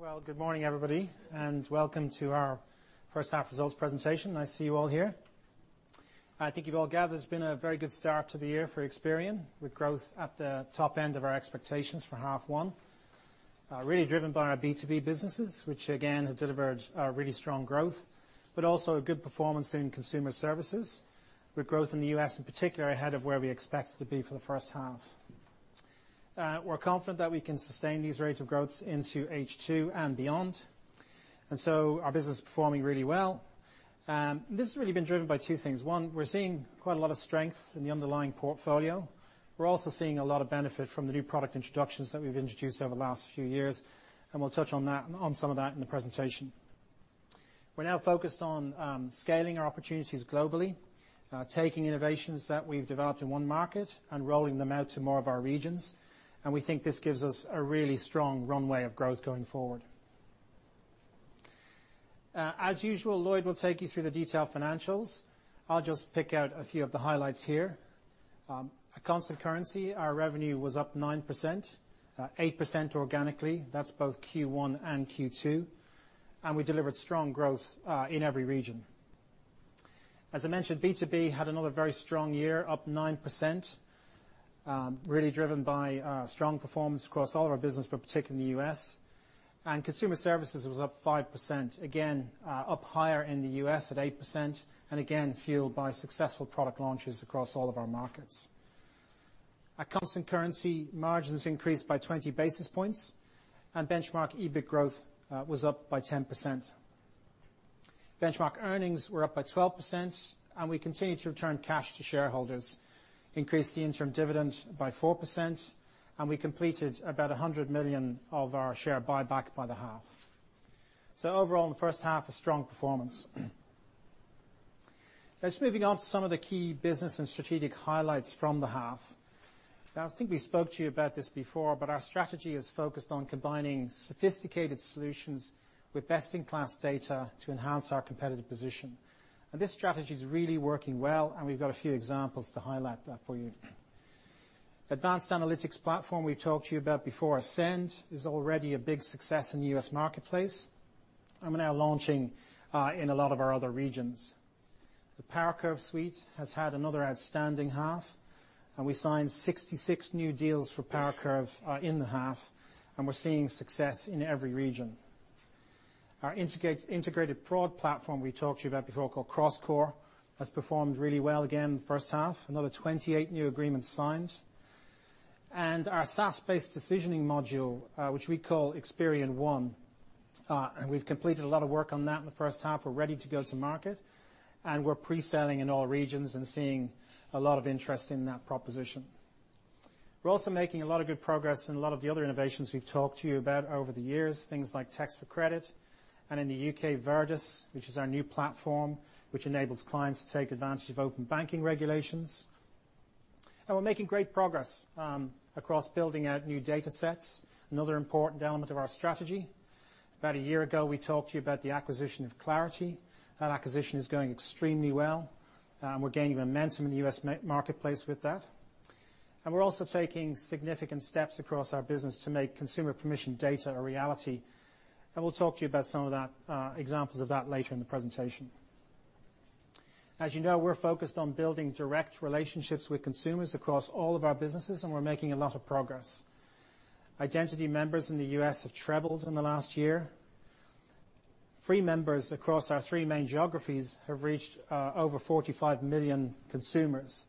Well, good morning, everybody, and welcome to our first half results presentation. Nice to see you all here. I think you've all gathered it's been a very good start to the year for Experian, with growth at the top end of our expectations for H1. Really driven by our B2B businesses, which again have delivered really strong growth, but also a good performance in consumer services, with growth in the U.S. in particular, ahead of where we expected to be for the first half. We're confident that we can sustain these rates of growth into H2 and beyond. Our business is performing really well. This has really been driven by two things. One, we're seeing quite a lot of strength in the underlying portfolio. We're also seeing a lot of benefit from the new product introductions that we've introduced over the last few years. We'll touch on some of that in the presentation. We're now focused on scaling our opportunities globally, taking innovations that we've developed in one market and rolling them out to more of our regions. We think this gives us a really strong runway of growth going forward. As usual, Lloyd will take you through the detailed financials. I'll just pick out a few of the highlights here. At constant currency, our revenue was up 9%, 8% organically. That's both Q1 and Q2. We delivered strong growth in every region. As I mentioned, B2B had another very strong year, up 9%, really driven by strong performance across all of our business, but particularly in the U.S. Consumer services was up 5%, again, up higher in the U.S. at 8%, and again fueled by successful product launches across all of our markets. At constant currency, margins increased by 20 basis points. Benchmark EBIT growth was up by 10%. Benchmark earnings were up by 12%. We continue to return cash to shareholders, increase the interim dividend by 4%, and we completed about $100 million of our share buyback by the half. Overall, in the first half, a strong performance. Just moving on to some of the key business and strategic highlights from the half. I think we spoke to you about this before, our strategy is focused on combining sophisticated solutions with best-in-class data to enhance our competitive position. This strategy is really working well, and we've got a few examples to highlight that for you. Advanced analytics platform we've talked to you about before, Ascend, is already a big success in the U.S. marketplace. We're now launching in a lot of our other regions. The PowerCurve suite has had another outstanding half. We signed 66 new deals for PowerCurve in the half, and we're seeing success in every region. Our integrated fraud platform we talked to you about before, called CrossCore, has performed really well again in the first half, another 28 new agreements signed. Our SaaS-based decisioning module, which we call Experian One, we've completed a lot of work on that in the first half. We're ready to go to market. We're pre-selling in all regions and seeing a lot of interest in that proposition. We're also making a lot of good progress in a lot of the other innovations we've talked to you about over the years, things like Text for Credit, and in the U.K., Verdus, which is our new platform, which enables clients to take advantage of open banking regulations. We're making great progress across building out new data sets, another important element of our strategy. About a year ago, we talked to you about the acquisition of Clarity. That acquisition is going extremely well. We're gaining momentum in the U.S. marketplace with that. We're also taking significant steps across our business to make consumer permission data a reality. We'll talk to you about some examples of that later in the presentation. As you know, we're focused on building direct relationships with consumers across all of our businesses, and we're making a lot of progress. Identity members in the U.S. have trebled in the last year. Free members across our three main geographies have reached over 45 million consumers,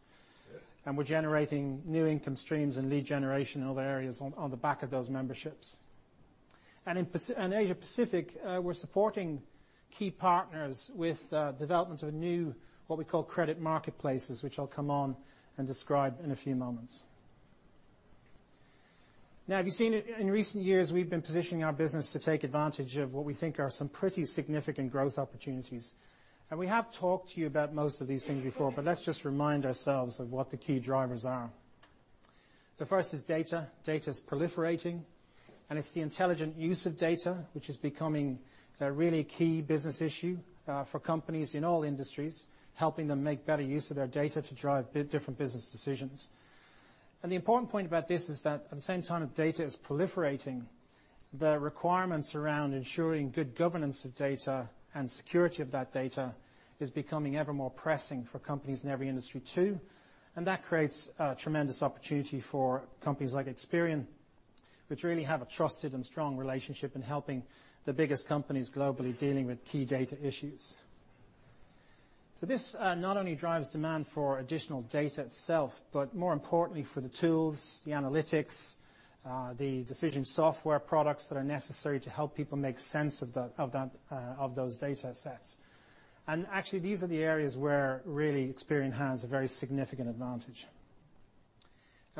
and we're generating new income streams and lead generation in other areas on the back of those memberships. In Asia Pacific, we're supporting key partners with development of a new, what we call credit marketplaces, which I'll come on and describe in a few moments. If you've seen it, in recent years, we've been positioning our business to take advantage of what we think are some pretty significant growth opportunities. We have talked to you about most of these things before, but let's just remind ourselves of what the key drivers are. The first is data. Data is proliferating, and it's the intelligent use of data which is becoming a really key business issue for companies in all industries, helping them make better use of their data to drive different business decisions. The important point about this is that at the same time that data is proliferating, the requirements around ensuring good governance of data and security of that data is becoming ever more pressing for companies in every industry, too. That creates a tremendous opportunity for companies like Experian, which really have a trusted and strong relationship in helping the biggest companies globally dealing with key data issues. This not only drives demand for additional data itself, but more importantly, for the tools, the analytics, the decision software products that are necessary to help people make sense of those data sets. Actually, these are the areas where really Experian has a very significant advantage.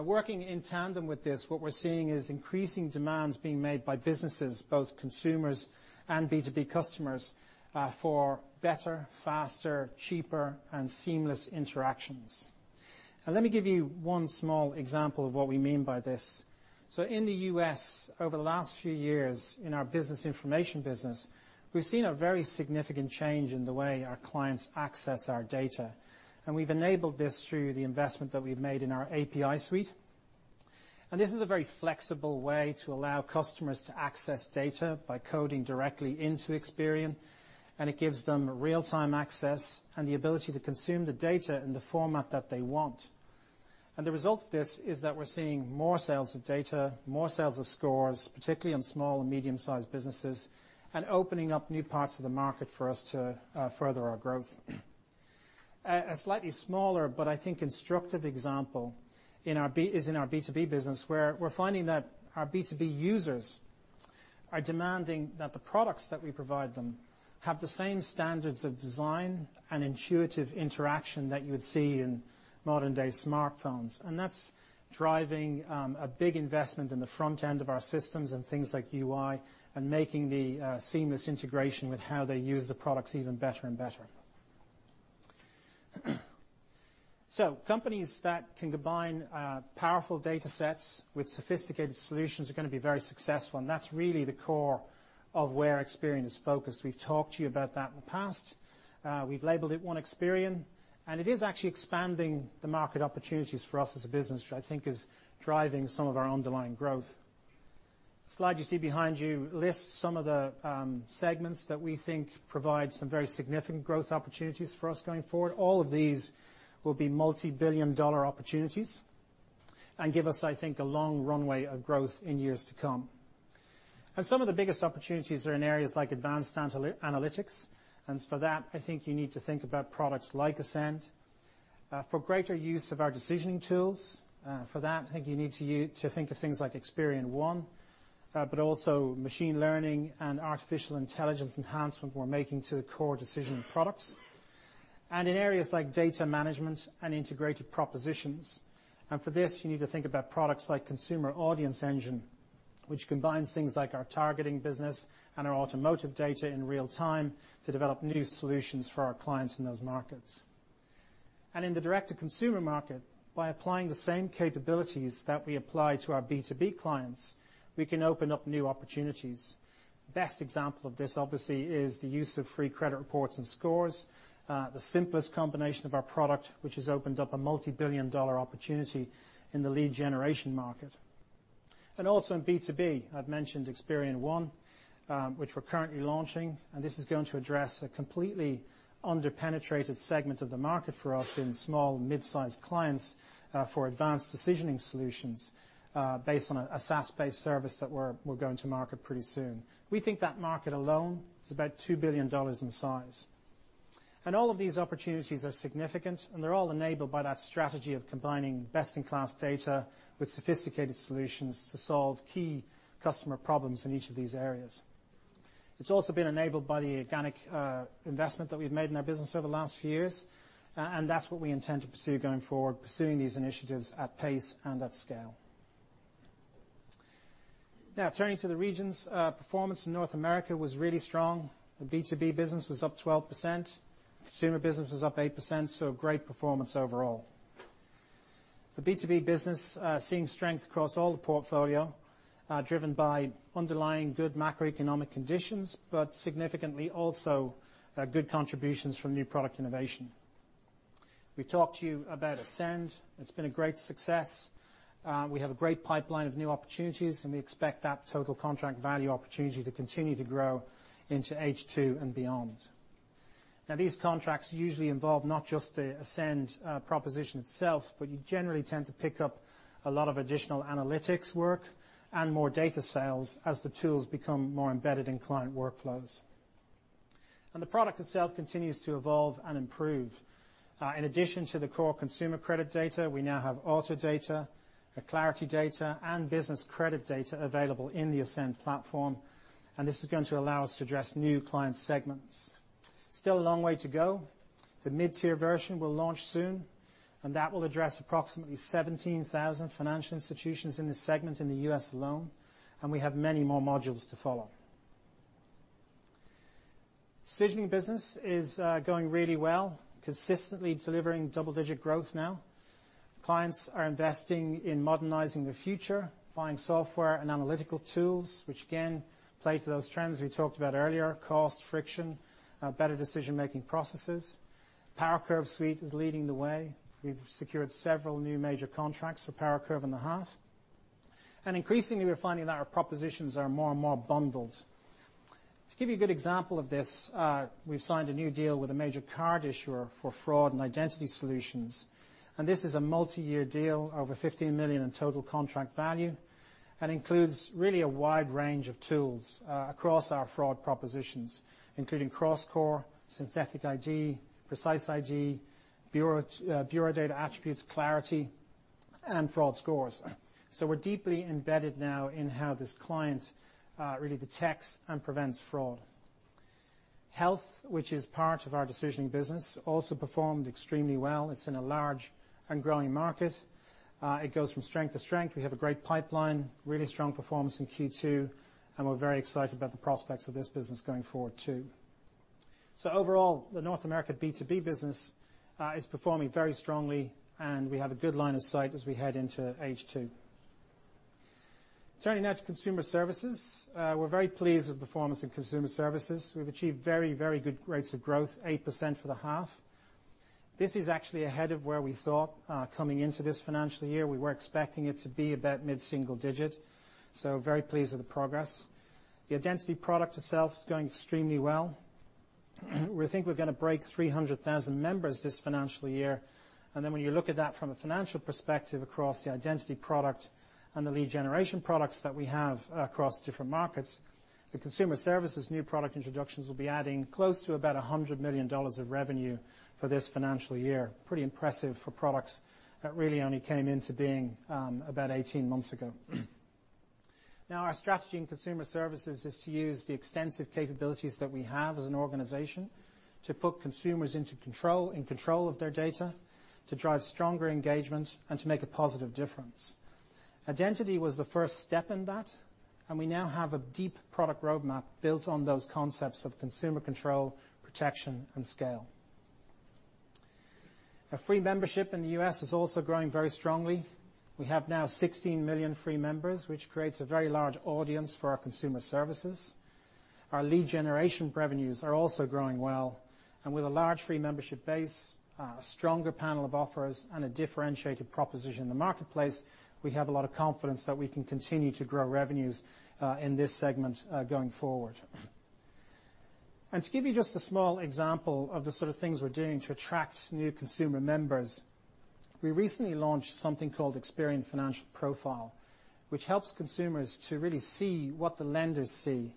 Working in tandem with this, what we're seeing is increasing demands being made by businesses, both consumers and B2B customers, for better, faster, cheaper, and seamless interactions. Let me give you one small example of what we mean by this. In the U.S., over the last few years, in our business information business, we've seen a very significant change in the way our clients access our data, and we've enabled this through the investment that we've made in our API suite. This is a very flexible way to allow customers to access data by coding directly into Experian, and it gives them real-time access and the ability to consume the data in the format that they want. The result of this is that we're seeing more sales of data, more sales of scores, particularly on small and medium-sized businesses, and opening up new parts of the market for us to further our growth. A slightly smaller, but I think instructive example is in our B2B business, where we're finding that our B2B users are demanding that the products that we provide them have the same standards of design and intuitive interaction that you would see in modern-day smartphones. That's driving a big investment in the front end of our systems and things like UI and making the seamless integration with how they use the products even better and better. Companies that can combine powerful data sets with sophisticated solutions are going to be very successful, and that's really the core of where Experian is focused. We've talked to you about that in the past. We've labeled it One Experian, it is actually expanding the market opportunities for us as a business, which I think is driving some of our underlying growth. The slide you see behind you lists some of the segments that we think provide some very significant growth opportunities for us going forward. All of these will be multi-billion-dollar opportunities and give us, I think, a long runway of growth in years to come. Some of the biggest opportunities are in areas like advanced analytics, and for that, I think you need to think about products like Ascend. For greater use of our decisioning tools, for that, I think you need to think of things like Experian One, but also machine learning and artificial intelligence enhancement we're making to the core decisioning products. In areas like data management and integrated propositions. For this, you need to think about products like Consumer Audience Engine, which combines things like our targeting business and our automotive data in real time to develop new solutions for our clients in those markets. In the direct-to-consumer market, by applying the same capabilities that we apply to our B2B clients, we can open up new opportunities. Best example of this, obviously, is the use of free credit reports and scores, the simplest combination of our product, which has opened up a multi-billion-dollar opportunity in the lead generation market. Also, in B2B, I've mentioned Experian One, which we're currently launching, and this is going to address a completely under-penetrated segment of the market for us in small, mid-sized clients for advanced decisioning solutions, based on a SaaS-based service that we're going to market pretty soon. We think that market alone is about $2 billion in size. All of these opportunities are significant, and they're all enabled by that strategy of combining best-in-class data with sophisticated solutions to solve key customer problems in each of these areas. It's also been enabled by the organic investment that we've made in our business over the last few years, and that's what we intend to pursue going forward, pursuing these initiatives at pace and at scale. Now, turning to the regions, performance in North America was really strong. The B2B business was up 12%. Consumer business was up 8%, great performance overall. The B2B business seeing strength across all the portfolio, driven by underlying good macroeconomic conditions, but significantly also good contributions from new product innovation. We talked to you about Ascend. It's been a great success. We have a great pipeline of new opportunities, we expect that total contract value opportunity to continue to grow into H2 and beyond. These contracts usually involve not just the Ascend proposition itself, but you generally tend to pick up a lot of additional analytics work and more data sales as the tools become more embedded in client workflows. The product itself continues to evolve and improve. In addition to the core consumer credit data, we now have auto data, clarity data, and business credit data available in the Ascend platform, and this is going to allow us to address new client segments. Still a long way to go. The mid-tier version will launch soon, and that will address approximately 17,000 financial institutions in this segment in the U.S. alone, and we have many more modules to follow. Decisioning business is going really well, consistently delivering double-digit growth now. Clients are investing in modernizing their future, buying software and analytical tools, which again play to those trends we talked about earlier, cost, friction, better decision-making processes. PowerCurve Suite is leading the way. We've secured several new major contracts for PowerCurve in the half. Increasingly, we're finding that our propositions are more and more bundled. To give you a good example of this, we've signed a new deal with a major card issuer for fraud and identity solutions, and this is a multi-year deal, over $15 million in total contract value, and includes really a wide range of tools across our fraud propositions, including CrossCore, Synthetic ID, Precise ID, bureau data attributes, Clarity, and fraud scores. We're deeply embedded now in how this client really detects and prevents fraud. Health, which is part of our decisioning business, also performed extremely well. It's in a large and growing market. It goes from strength to strength. We have a great pipeline, really strong performance in Q2, and we're very excited about the prospects of this business going forward, too. Overall, the North America B2B business is performing very strongly, and we have a good line of sight as we head into H2. Turning now to consumer services. We're very pleased with the performance in consumer services. We've achieved very good rates of growth, 8% for the half. This is actually ahead of where we thought coming into this financial year. We were expecting it to be about mid-single digit, very pleased with the progress. The identity product itself is going extremely well. We think we're going to break 300,000 members this financial year. When you look at that from a financial perspective across the identity product and the lead generation products that we have across different markets, the consumer services new product introductions will be adding close to about $100 million of revenue for this financial year. Pretty impressive for products that really only came into being about 18 months ago. Our strategy in consumer services is to use the extensive capabilities that we have as an organization to put consumers in control of their data, to drive stronger engagement, and to make a positive difference. Identity was the first step in that, and we now have a deep product roadmap built on those concepts of consumer control, protection, and scale. Our free membership in the U.S. is also growing very strongly. We have now 16 million free members, which creates a very large audience for our consumer services. Our lead generation revenues are also growing well. With a large free membership base, a stronger panel of offers, and a differentiated proposition in the marketplace, we have a lot of confidence that we can continue to grow revenues in this segment going forward. To give you just a small example of the sort of things we're doing to attract new consumer members, we recently launched something called Experian Financial Profile, which helps consumers to really see what the lenders see.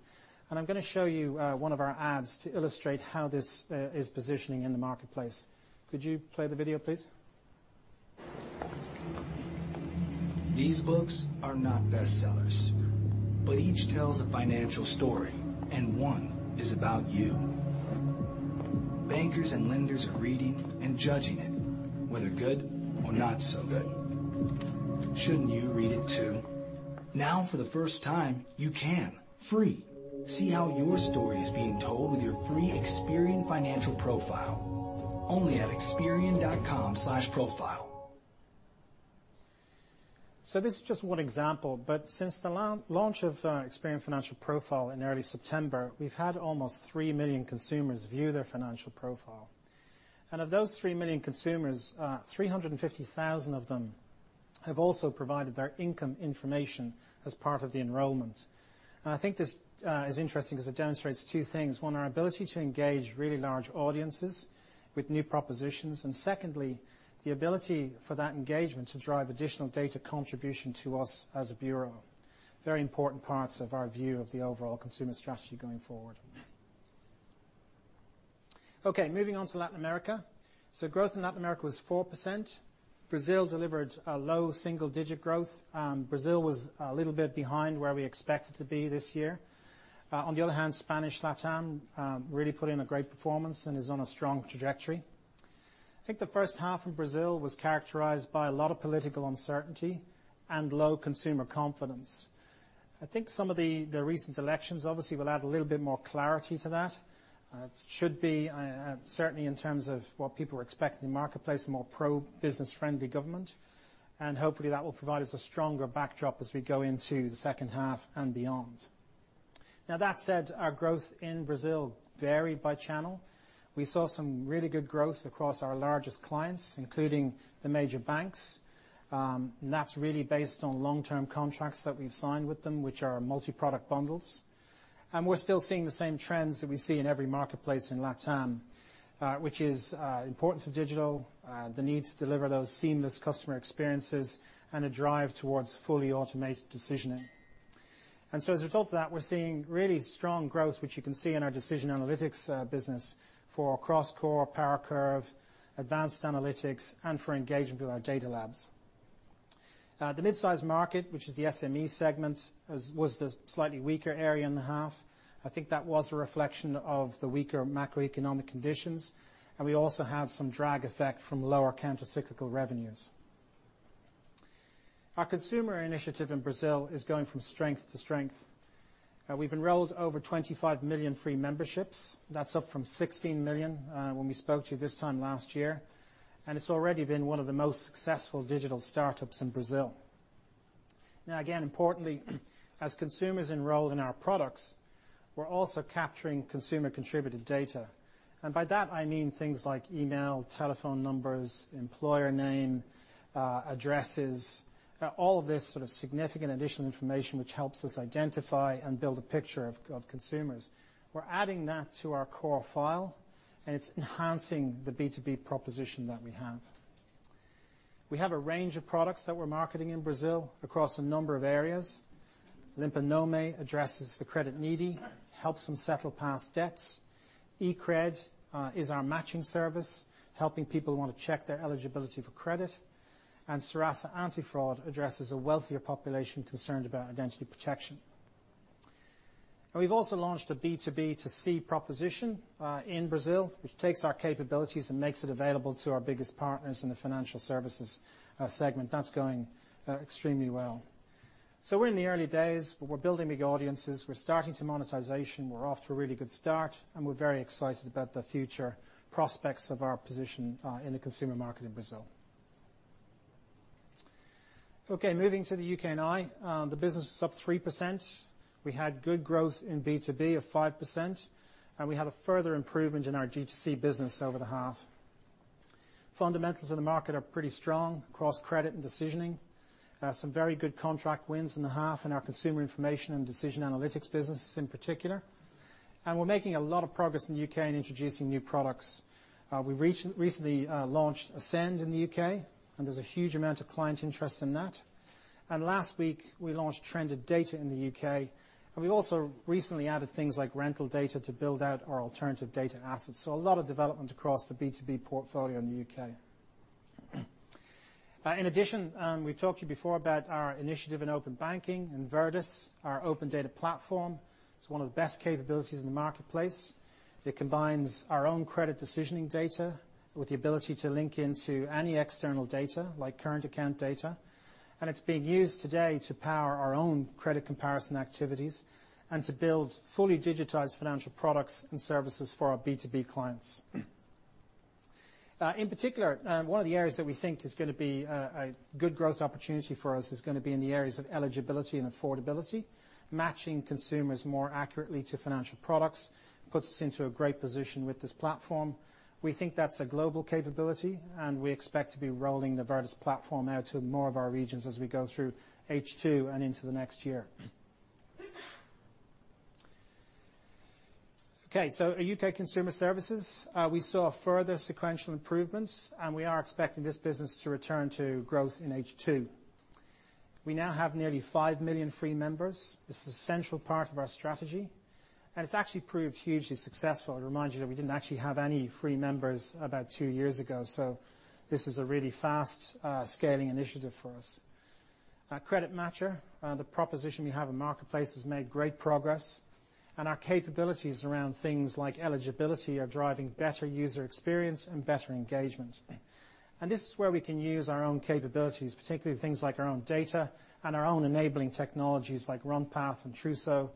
I'm going to show you one of our ads to illustrate how this is positioning in the marketplace. Could you play the video, please? These books are not bestsellers, but each tells a financial story, and one is about you. Bankers and lenders are reading and judging it, whether good or not so good. Shouldn't you read it, too? Now, for the first time, you can. Free. See how your story is being told with your free Experian Financial Profile, only at experian.com/profile. This is just one example, but since the launch of Experian Financial Profile in early September, we've had almost three million consumers view their financial profile. Of those three million consumers, 350,000 of them have also provided their income information as part of the enrollment. I think this is interesting because it demonstrates two things. One, our ability to engage really large audiences with new propositions. Secondly, the ability for that engagement to drive additional data contribution to us as a bureau. Very important parts of our view of the overall consumer strategy going forward. Moving on to Latin America. Growth in Latin America was 4%. Brazil delivered a low single-digit growth. Brazil was a little bit behind where we expected to be this year. On the other hand, Spanish LatAm really put in a great performance and is on a strong trajectory. I think the first half in Brazil was characterized by a lot of political uncertainty and low consumer confidence. I think some of the recent elections obviously will add a little bit more clarity to that. It should be, certainly in terms of what people are expecting in the marketplace, a more pro-business-friendly government, and hopefully, that will provide us a stronger backdrop as we go into the second half and beyond. Now that said, our growth in Brazil varied by channel. We saw some really good growth across our largest clients, including the major banks. That's really based on long-term contracts that we've signed with them, which are multi-product bundles. We're still seeing the same trends that we see in every marketplace in LatAm, which is importance of digital, the need to deliver those seamless customer experiences, and a drive towards fully automated decisioning. As a result of that, we're seeing really strong growth, which you can see in our decision analytics business for CrossCore, PowerCurve, advanced analytics, and for engagement with our DataLabs. The midsize market, which is the SME segment, was the slightly weaker area in the half. I think that was a reflection of the weaker macroeconomic conditions, and we also had some drag effect from lower counter-cyclical revenues. Our consumer initiative in Brazil is going from strength to strength. We've enrolled over 25 million free memberships. That's up from 16 million when we spoke to you this time last year. It's already been one of the most successful digital startups in Brazil. Again, importantly, as consumers enroll in our products, we're also capturing consumer-contributed data. By that, I mean things like email, telephone numbers, employer name, addresses, all of this sort of significant additional information which helps us identify and build a picture of consumers. We're adding that to our core file, and it's enhancing the B2B proposition that we have. We have a range of products that we're marketing in Brazil across a number of areas. Limpa Nome addresses the credit needy, helps them settle past debts. e-Cred is our matching service, helping people who want to check their eligibility for credit. Serasa AntiFraude addresses a wealthier population concerned about identity protection. We've also launched a B2B2C proposition in Brazil, which takes our capabilities and makes it available to our biggest partners in the financial services segment. That's going extremely well. So we're in the early days, but we're building big audiences. We're starting to monetization. We're off to a really good start, and we're very excited about the future prospects of our position in the consumer market in Brazil. Okay, moving to the U.K. and I. The business was up 3%. We had good growth in B2B of 5%, and we had a further improvement in our G2C business over the half. Fundamentals of the market are pretty strong across credit and decisioning. Some very good contract wins in the half in our consumer information and decision analytics businesses in particular. We're making a lot of progress in the U.K. in introducing new products. We recently launched Ascend in the U.K., and there's a huge amount of client interest in that. Last week, we launched Trended Data in the U.K., and we've also recently added things like rental data to build out our alternative data assets. A lot of development across the B2B portfolio in the U.K. In addition, we've talked to you before about our initiative in open banking and Verdus, our open data platform. It's one of the best capabilities in the marketplace. It combines our own credit decisioning data with the ability to link into any external data, like current account data. It's being used today to power our own credit comparison activities and to build fully digitized financial products and services for our B2B clients. In particular, one of the areas that we think is going to be a good growth opportunity for us is going to be in the areas of eligibility and affordability. Matching consumers more accurately to financial products puts us into a great position with this platform. We think that's a global capability. We expect to be rolling the Verdus platform out to more of our regions as we go through H2 and into the next year. Our U.K. consumer services, we saw further sequential improvements, and we are expecting this business to return to growth in H2. We now have nearly five million free members. This is an essential part of our strategy, and it's actually proved hugely successful. I remind you that we didn't actually have any free members about two years ago, so this is a really fast scaling initiative for us. CreditMatcher, the proposition we have in marketplace has made great progress, and our capabilities around things like eligibility are driving better user experience and better engagement. This is where we can use our own capabilities, particularly things like our own data and our own enabling technologies like Runpath and [Trusso]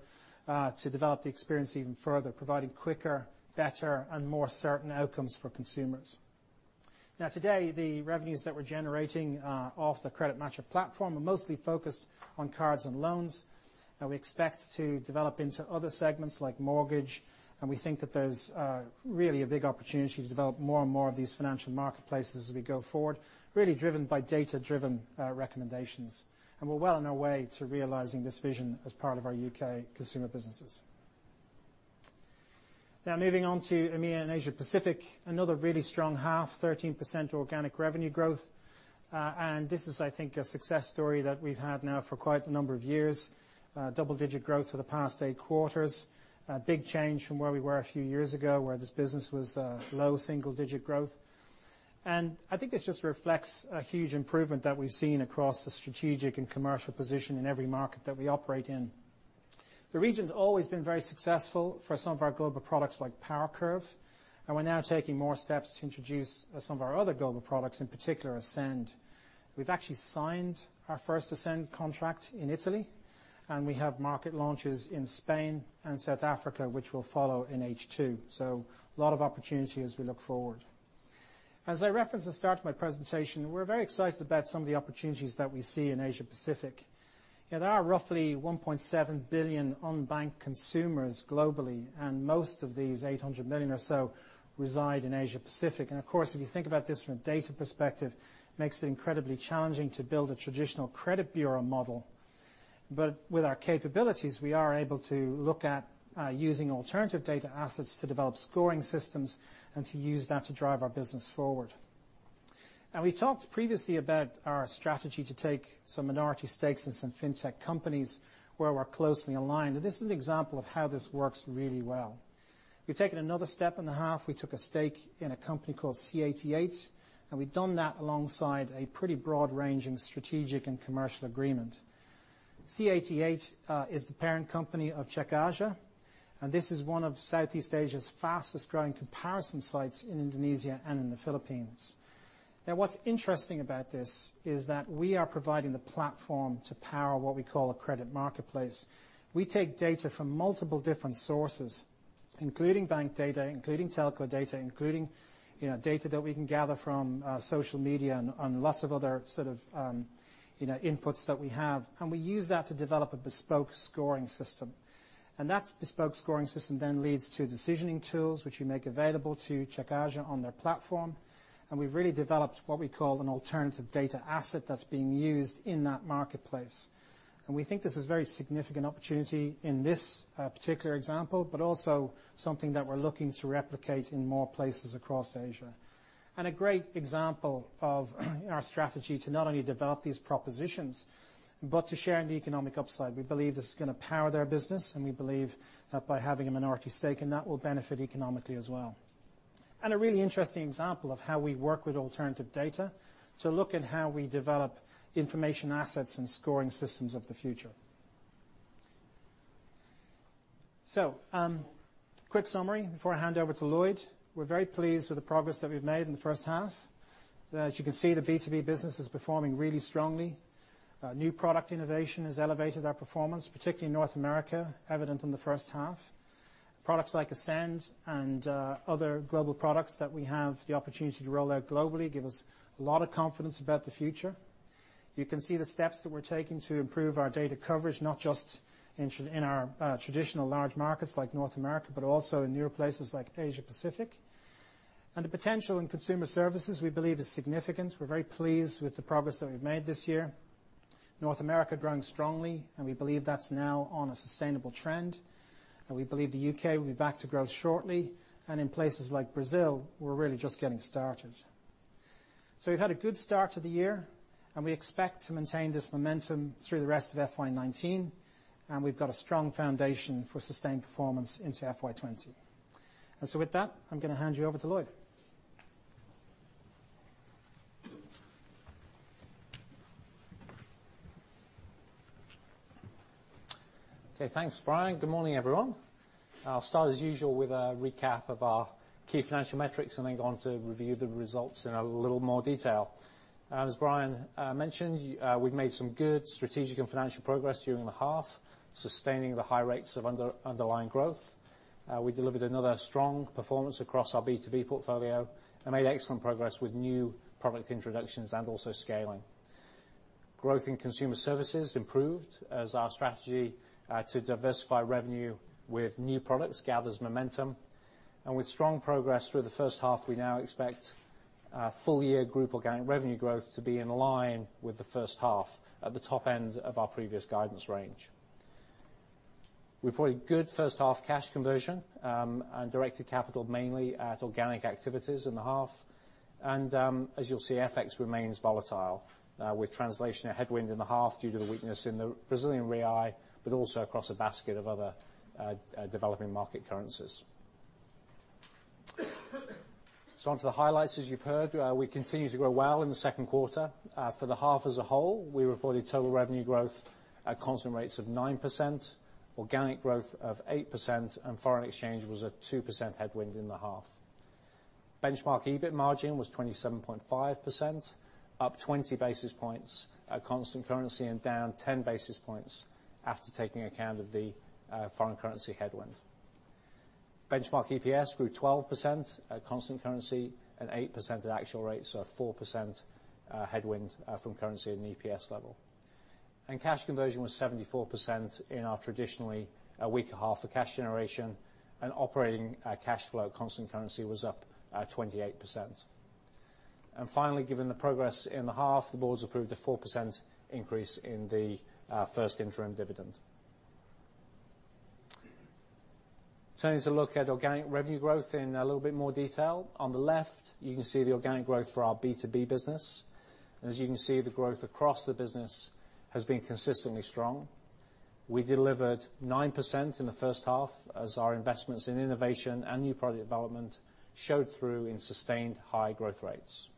to develop the experience even further, providing quicker, better, and more certain outcomes for consumers. Today, the revenues that we're generating off the CreditMatcher platform are mostly focused on cards and loans. We expect to develop into other segments like mortgage, and we think that there's really a big opportunity to develop more and more of these financial marketplaces as we go forward, really driven by data-driven recommendations. We're well on our way to realizing this vision as part of our U.K. consumer businesses. Moving on to EMEA and Asia-Pacific, another really strong half, 13% organic revenue growth. This is, I think, a success story that we've had now for quite a number of years. Double-digit growth for the past eight quarters. A big change from where we were a few years ago, where this business was low single-digit growth. I think this just reflects a huge improvement that we've seen across the strategic and commercial position in every market that we operate in. The region's always been very successful for some of our global products like PowerCurve, and we're now taking more steps to introduce some of our other global products, in particular Ascend. We've actually signed our first Ascend contract in Italy, and we have market launches in Spain and South Africa, which will follow in H2. A lot of opportunity as we look forward. As I referenced at the start of my presentation, we're very excited about some of the opportunities that we see in Asia-Pacific. There are roughly $1.7 billion unbanked consumers globally, and most of these, $800 million or so, reside in Asia-Pacific. Of course, if you think about this from a data perspective, makes it incredibly challenging to build a traditional credit bureau model. With our capabilities, we are able to look at using alternative data assets to develop scoring systems and to use that to drive our business forward. We talked previously about our strategy to take some minority stakes in some fintech companies where we're closely aligned. This is an example of how this works really well. We've taken another step in the half. We took a stake in a company called C88, and we've done that alongside a pretty broad-ranging strategic and commercial agreement. C88 is the parent company of CekAja, this is one of Southeast Asia's fastest-growing comparison sites in Indonesia and in the Philippines. What's interesting about this is that we are providing the platform to power what we call a credit marketplace. We take data from multiple different sources, including bank data, including telco data, including data that we can gather from social media and lots of other sort of inputs that we have. We use that to develop a bespoke scoring system. That bespoke scoring system then leads to decisioning tools, which we make available to CekAja on their platform. We've really developed what we call an alternative data asset that's being used in that marketplace. We think this is a very significant opportunity in this particular example, but also something that we're looking to replicate in more places across Asia. A great example of our strategy to not only develop these propositions, but to share in the economic upside. We believe this is going to power their business, we believe that by having a minority stake in that will benefit economically as well. A really interesting example of how we work with alternative data to look at how we develop information assets and scoring systems of the future. Quick summary before I hand over to Lloyd. We're very pleased with the progress that we've made in the first half. As you can see, the B2B business is performing really strongly. New product innovation has elevated our performance, particularly in North America, evident in the first half. Products like Ascend and other global products that we have the opportunity to roll out globally give us a lot of confidence about the future. You can see the steps that we're taking to improve our data coverage, not just in our traditional large markets like North America, but also in newer places like Asia Pacific. The potential in consumer services, we believe, is significant. We're very pleased with the progress that we've made this year. North America growing strongly, we believe that's now on a sustainable trend. We believe the U.K. will be back to growth shortly. In places like Brazil, we're really just getting started. We've had a good start to the year, we expect to maintain this momentum through the rest of FY 2019, we've got a strong foundation for sustained performance into FY 2020. With that, I'm going to hand you over to Lloyd. Okay. Thanks, Brian. Good morning, everyone. I'll start as usual with a recap of our key financial metrics, then go on to review the results in a little more detail. As Brian mentioned, we've made some good strategic and financial progress during the half, sustaining the high rates of underlying growth. We delivered another strong performance across our B2B portfolio and made excellent progress with new product introductions and also scaling. Growth in consumer services improved as our strategy to diversify revenue with new products gathers momentum. With strong progress through the first half, we now expect full-year group organic revenue growth to be in line with the first half at the top end of our previous guidance range. We've got a good first half cash conversion, directed capital mainly at organic activities in the half. As you'll see, FX remains volatile, with translation a headwind in the half due to the weakness in the Brazilian real, but also across a basket of other developing market currencies. On to the highlights. As you've heard, we continue to grow well in the second quarter. For the half as a whole, we reported total revenue growth at constant rates of 9%, organic growth of 8%, and foreign exchange was a 2% headwind in the half. Benchmark EBIT margin was 27.5%, up 20 basis points at constant currency and down 10 basis points after taking account of the foreign currency headwind. Benchmark EPS grew 12% at constant currency and 8% at actual rates, so a 4% headwind from currency in the EPS level. Cash conversion was 74% in our traditionally weaker half for cash generation, and operating cash flow at constant currency was up 28%. Finally, given the progress in the half, the boards approved a 4% increase in the first interim dividend. Turning to look at organic revenue growth in a little bit more detail. On the left, you can see the organic growth for our B2B business. As you can see, the growth across the business has been consistently strong. We delivered 9% in the first half as our investments in innovation and new product development showed through in sustained high growth rates.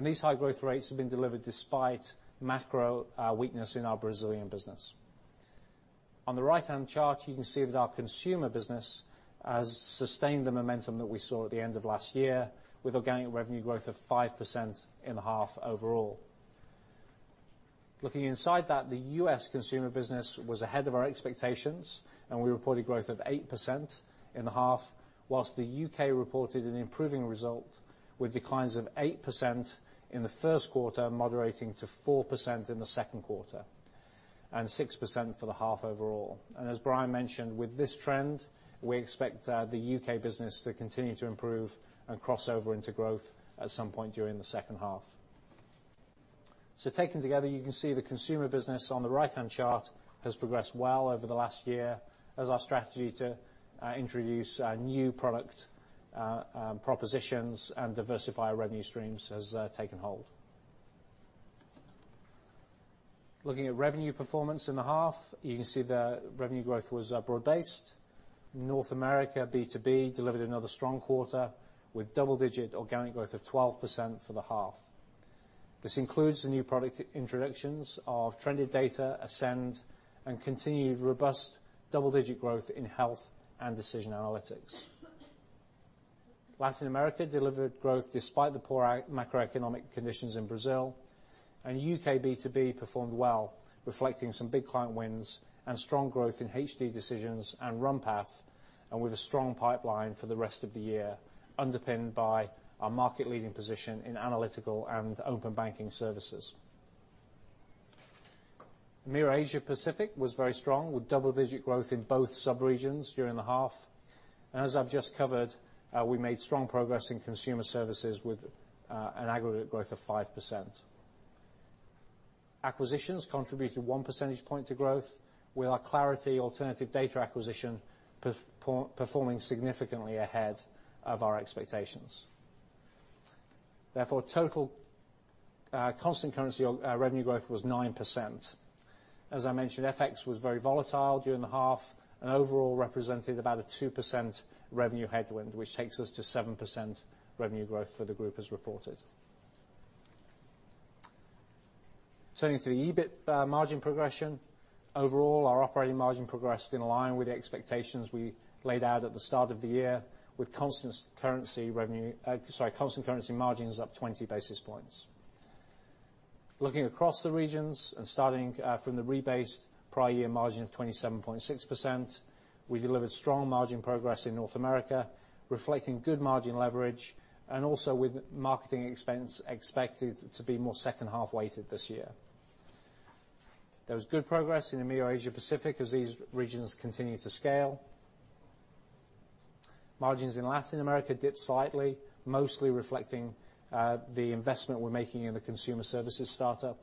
These high growth rates have been delivered despite macro weakness in our Brazilian business. On the right-hand chart, you can see that our consumer business has sustained the momentum that we saw at the end of last year with organic revenue growth of 5% in the half overall. Looking inside that, the U.S. consumer business was ahead of our expectations, and we reported growth of 8% in the half, whilst the U.K. reported an improving result with declines of 8% in the first quarter, moderating to 4% in the second quarter, and 6% for the half overall. As Brian mentioned, with this trend, we expect the U.K. business to continue to improve and cross over into growth at some point during the second half. Taken together, you can see the consumer business on the right-hand chart has progressed well over the last year as our strategy to introduce new product propositions and diversify our revenue streams has taken hold. Looking at revenue performance in the half, you can see the revenue growth was broad-based. North America B2B delivered another strong quarter with double-digit organic growth of 12% for the half. This includes the new product introductions of Trended Data, Ascend, and continued robust double-digit growth in health and decision analytics. Latin America delivered growth despite the poor macroeconomic conditions in Brazil. U.K. B2B performed well, reflecting some big client wins and strong growth in HD Decisions and Runpath, and with a strong pipeline for the rest of the year, underpinned by our market-leading position in analytical and open banking services. EMEA Asia Pacific was very strong with double-digit growth in both sub-regions during the half. As I've just covered, we made strong progress in consumer services with an aggregate growth of 5%. Acquisitions contributed one percentage point to growth, with our Clarity alternative data acquisition performing significantly ahead of our expectations. Therefore, total constant currency revenue growth was 9%. As I mentioned, FX was very volatile during the half, overall represented about a 2% revenue headwind, which takes us to 7% revenue growth for the group as reported. Turning to the EBIT margin progression. Overall, our operating margin progressed in line with the expectations we laid out at the start of the year, with constant currency margins up 20 basis points. Looking across the regions, starting from the rebased prior year margin of 27.6%, we delivered strong margin progress in North America, reflecting good margin leverage also with marketing expense expected to be more second-half weighted this year. There was good progress in EMEA or Asia Pacific, as these regions continue to scale. Margins in Latin America dipped slightly, mostly reflecting the investment we're making in the Consumer Services startup.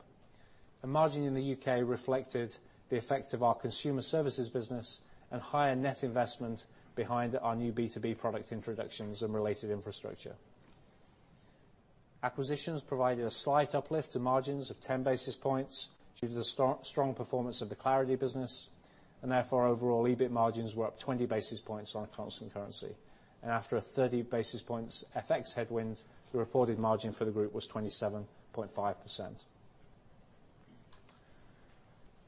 Margin in the U.K. reflected the effect of our Consumer Services business and higher net investment behind our new B2B product introductions and related infrastructure. Acquisitions provided a slight uplift to margins of 10 basis points due to the strong performance of the Clarity Services business, therefore overall EBIT margins were up 20 basis points on a constant currency. After a 30 basis points FX headwind, the reported margin for the group was 27.5%.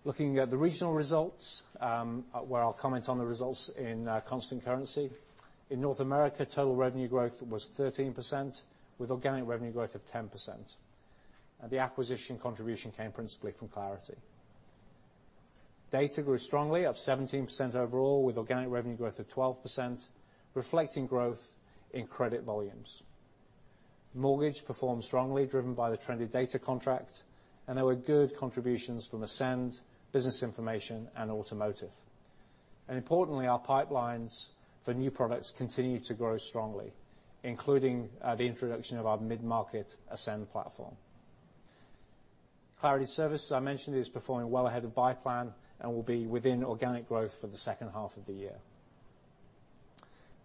Looking at the regional results, where I'll comment on the results in constant currency. In North America, total revenue growth was 13% with organic revenue growth of 10%. The acquisition contribution came principally from Clarity Services. Data grew strongly, up 17% overall, with organic revenue growth of 12%, reflecting growth in credit volumes. Mortgage performed strongly, driven by the Trended Data contract, there were good contributions from Ascend, Business Information, and Automotive. Importantly, our pipelines for new products continue to grow strongly, including the introduction of our mid-market Ascend platform. Clarity Services, as I mentioned, is performing well ahead of buy plan and will be within organic growth for the second half of the year.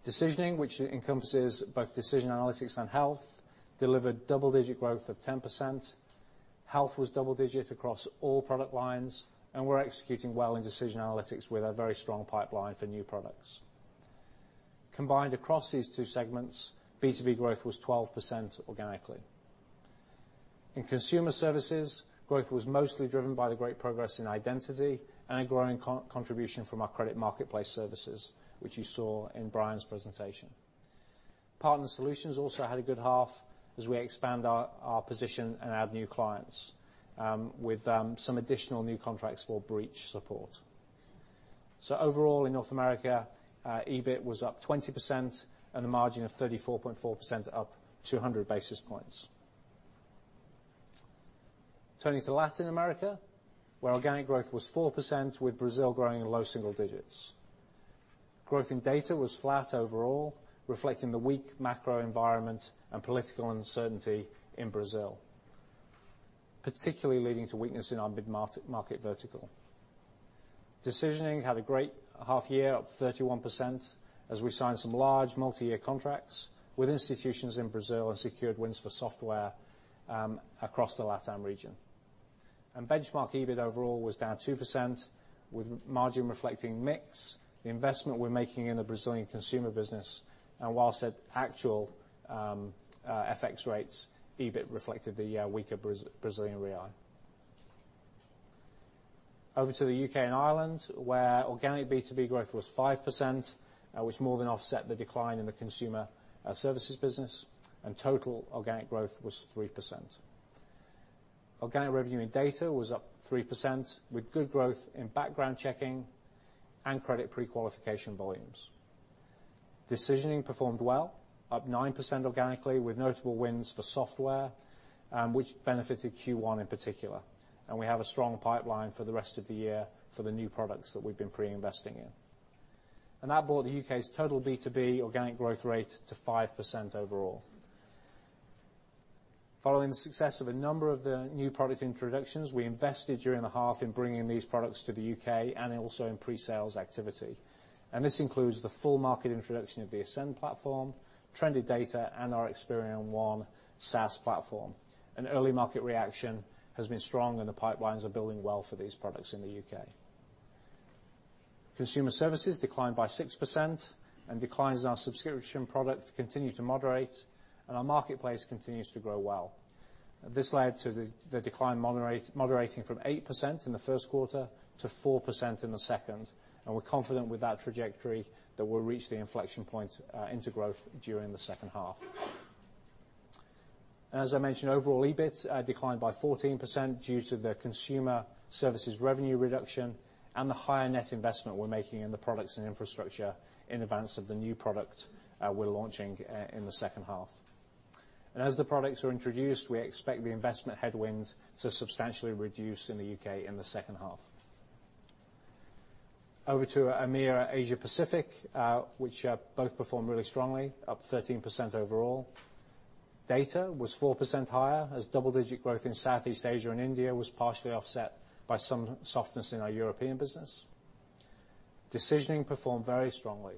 Decisioning, which encompasses both Decision Analytics and Health, delivered double-digit growth of 10%. Health was double digit across all product lines, we're executing well in Decision Analytics with a very strong pipeline for new products. Combined across these two segments, B2B growth was 12% organically. In Consumer Services, growth was mostly driven by the great progress in identity and a growing contribution from our credit marketplace services, which you saw in Brian's presentation. Partner Solutions also had a good half as we expand our position and add new clients with some additional new contracts for breach support. Overall, in North America, EBIT was up 20% and a margin of 34.4% up 200 basis points. Turning to Latin America, where organic growth was 4% with Brazil growing in low single digits. Growth in data was flat overall, reflecting the weak macro environment and political uncertainty in Brazil, particularly leading to weakness in our mid-market vertical. Decisioning had a great half-year, up 31%, as we signed some large multi-year contracts with institutions in Brazil and secured wins for software across the LatAm region. Benchmark EBIT overall was down 2% with margin reflecting mix, the investment we're making in the Brazilian Consumer Services business, whilst at actual FX rates, EBIT reflected the weaker Brazilian real. Over to the U.K. and Ireland, where organic B2B growth was 5%, which more than offset the decline in the Consumer Services business, total organic growth was 3%. Organic revenue in data was up 3% with good growth in background checking and credit prequalification volumes. Decisioning performed well, up 9% organically with notable wins for software, which benefited Q1 in particular. We have a strong pipeline for the rest of the year for the new products that we've been pre-investing in. That brought the U.K.'s total B2B organic growth rate to 5% overall. Following the success of a number of the new product introductions, we invested during the half in bringing these products to the U.K. and also in pre-sales activity. This includes the full market introduction of the Ascend platform, Trended Data, and our Experian One SaaS platform. Early market reaction has been strong and the pipelines are building well for these products in the U.K. Consumer services declined by 6%. Declines in our subscription product continue to moderate, and our marketplace continues to grow well. This led to the decline moderating from 8% in the first quarter to 4% in the second, and we're confident with that trajectory that we'll reach the inflection point into growth during the second half. As I mentioned, overall EBIT declined by 14% due to the consumer services revenue reduction and the higher net investment we're making in the products and infrastructure in advance of the new product we're launching in the second half. As the products are introduced, we expect the investment headwinds to substantially reduce in the U.K. in the second half. Over to EMEA, Asia Pacific, which both performed really strongly, up 13% overall. Data was 4% higher as double-digit growth in Southeast Asia and India was partially offset by some softness in our European business. Decisioning performed very strongly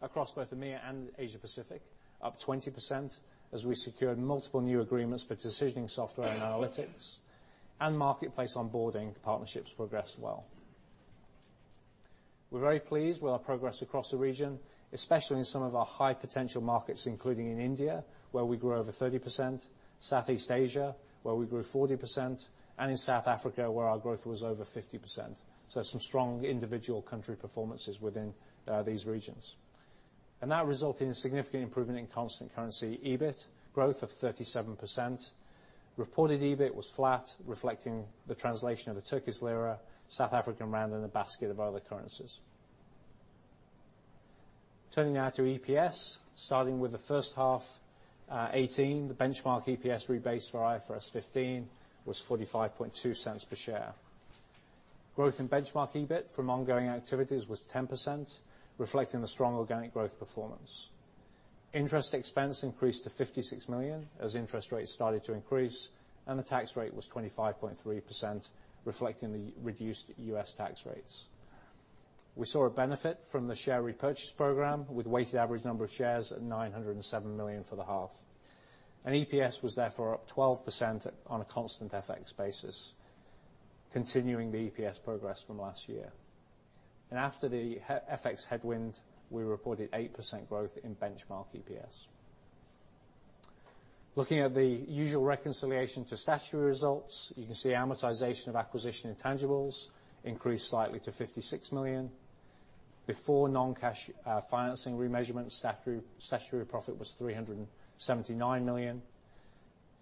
across both EMEA and Asia Pacific, up 20% as we secured multiple new agreements for decisioning software and analytics, and marketplace onboarding partnerships progressed well. We're very pleased with our progress across the region, especially in some of our high-potential markets, including in India, where we grew over 30%, Southeast Asia, where we grew 40%, and in South Africa, where our growth was over 50%. Some strong individual country performances within these regions. That resulted in a significant improvement in constant currency EBIT growth of 37%. Reported EBIT was flat, reflecting the translation of the Turkish lira, South African rand, and a basket of other currencies. Turning now to EPS. Starting with the first half FY 2018, the benchmark EPS rebase for IFRS 15 was $0.452 per share. Growth in benchmark EBIT from ongoing activities was 10%, reflecting the strong organic growth performance. Interest expense increased to $56 million as interest rates started to increase, and the tax rate was 25.3%, reflecting the reduced U.S. tax rates. We saw a benefit from the share repurchase program, with weighted average number of shares at 907 million for the half. EPS was therefore up 12% on a constant FX basis, continuing the EPS progress from last year. After the FX headwind, we reported 8% growth in benchmark EPS. Looking at the usual reconciliation to statutory results. You can see amortization of acquisition intangibles increased slightly to $56 million. Before non-cash financing remeasurement, statutory profit was $379 million.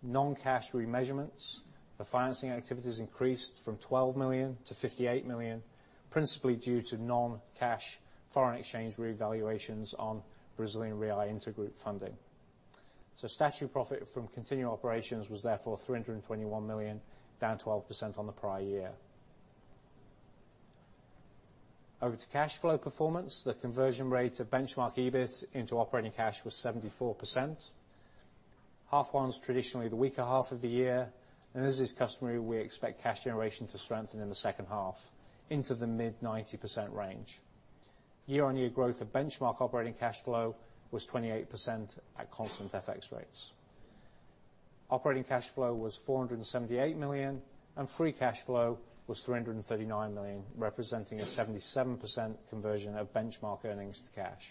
Non-cash remeasurements for financing activities increased from $12 million-$58 million, principally due to non-cash foreign exchange revaluations on Brazilian real intergroup funding. Statutory profit from continuing operations was therefore $321 million, down 12% on the prior year. Over to cash flow performance. The conversion rate of benchmark EBIT into operating cash was 74%. Half one is traditionally the weaker half of the year, and as is customary, we expect cash generation to strengthen in the second half into the mid-90% range. Year-on-year growth of benchmark operating cash flow was 28% at constant FX rates. Operating cash flow was $478 million, and free cash flow was $339 million, representing a 77% conversion of benchmark earnings to cash.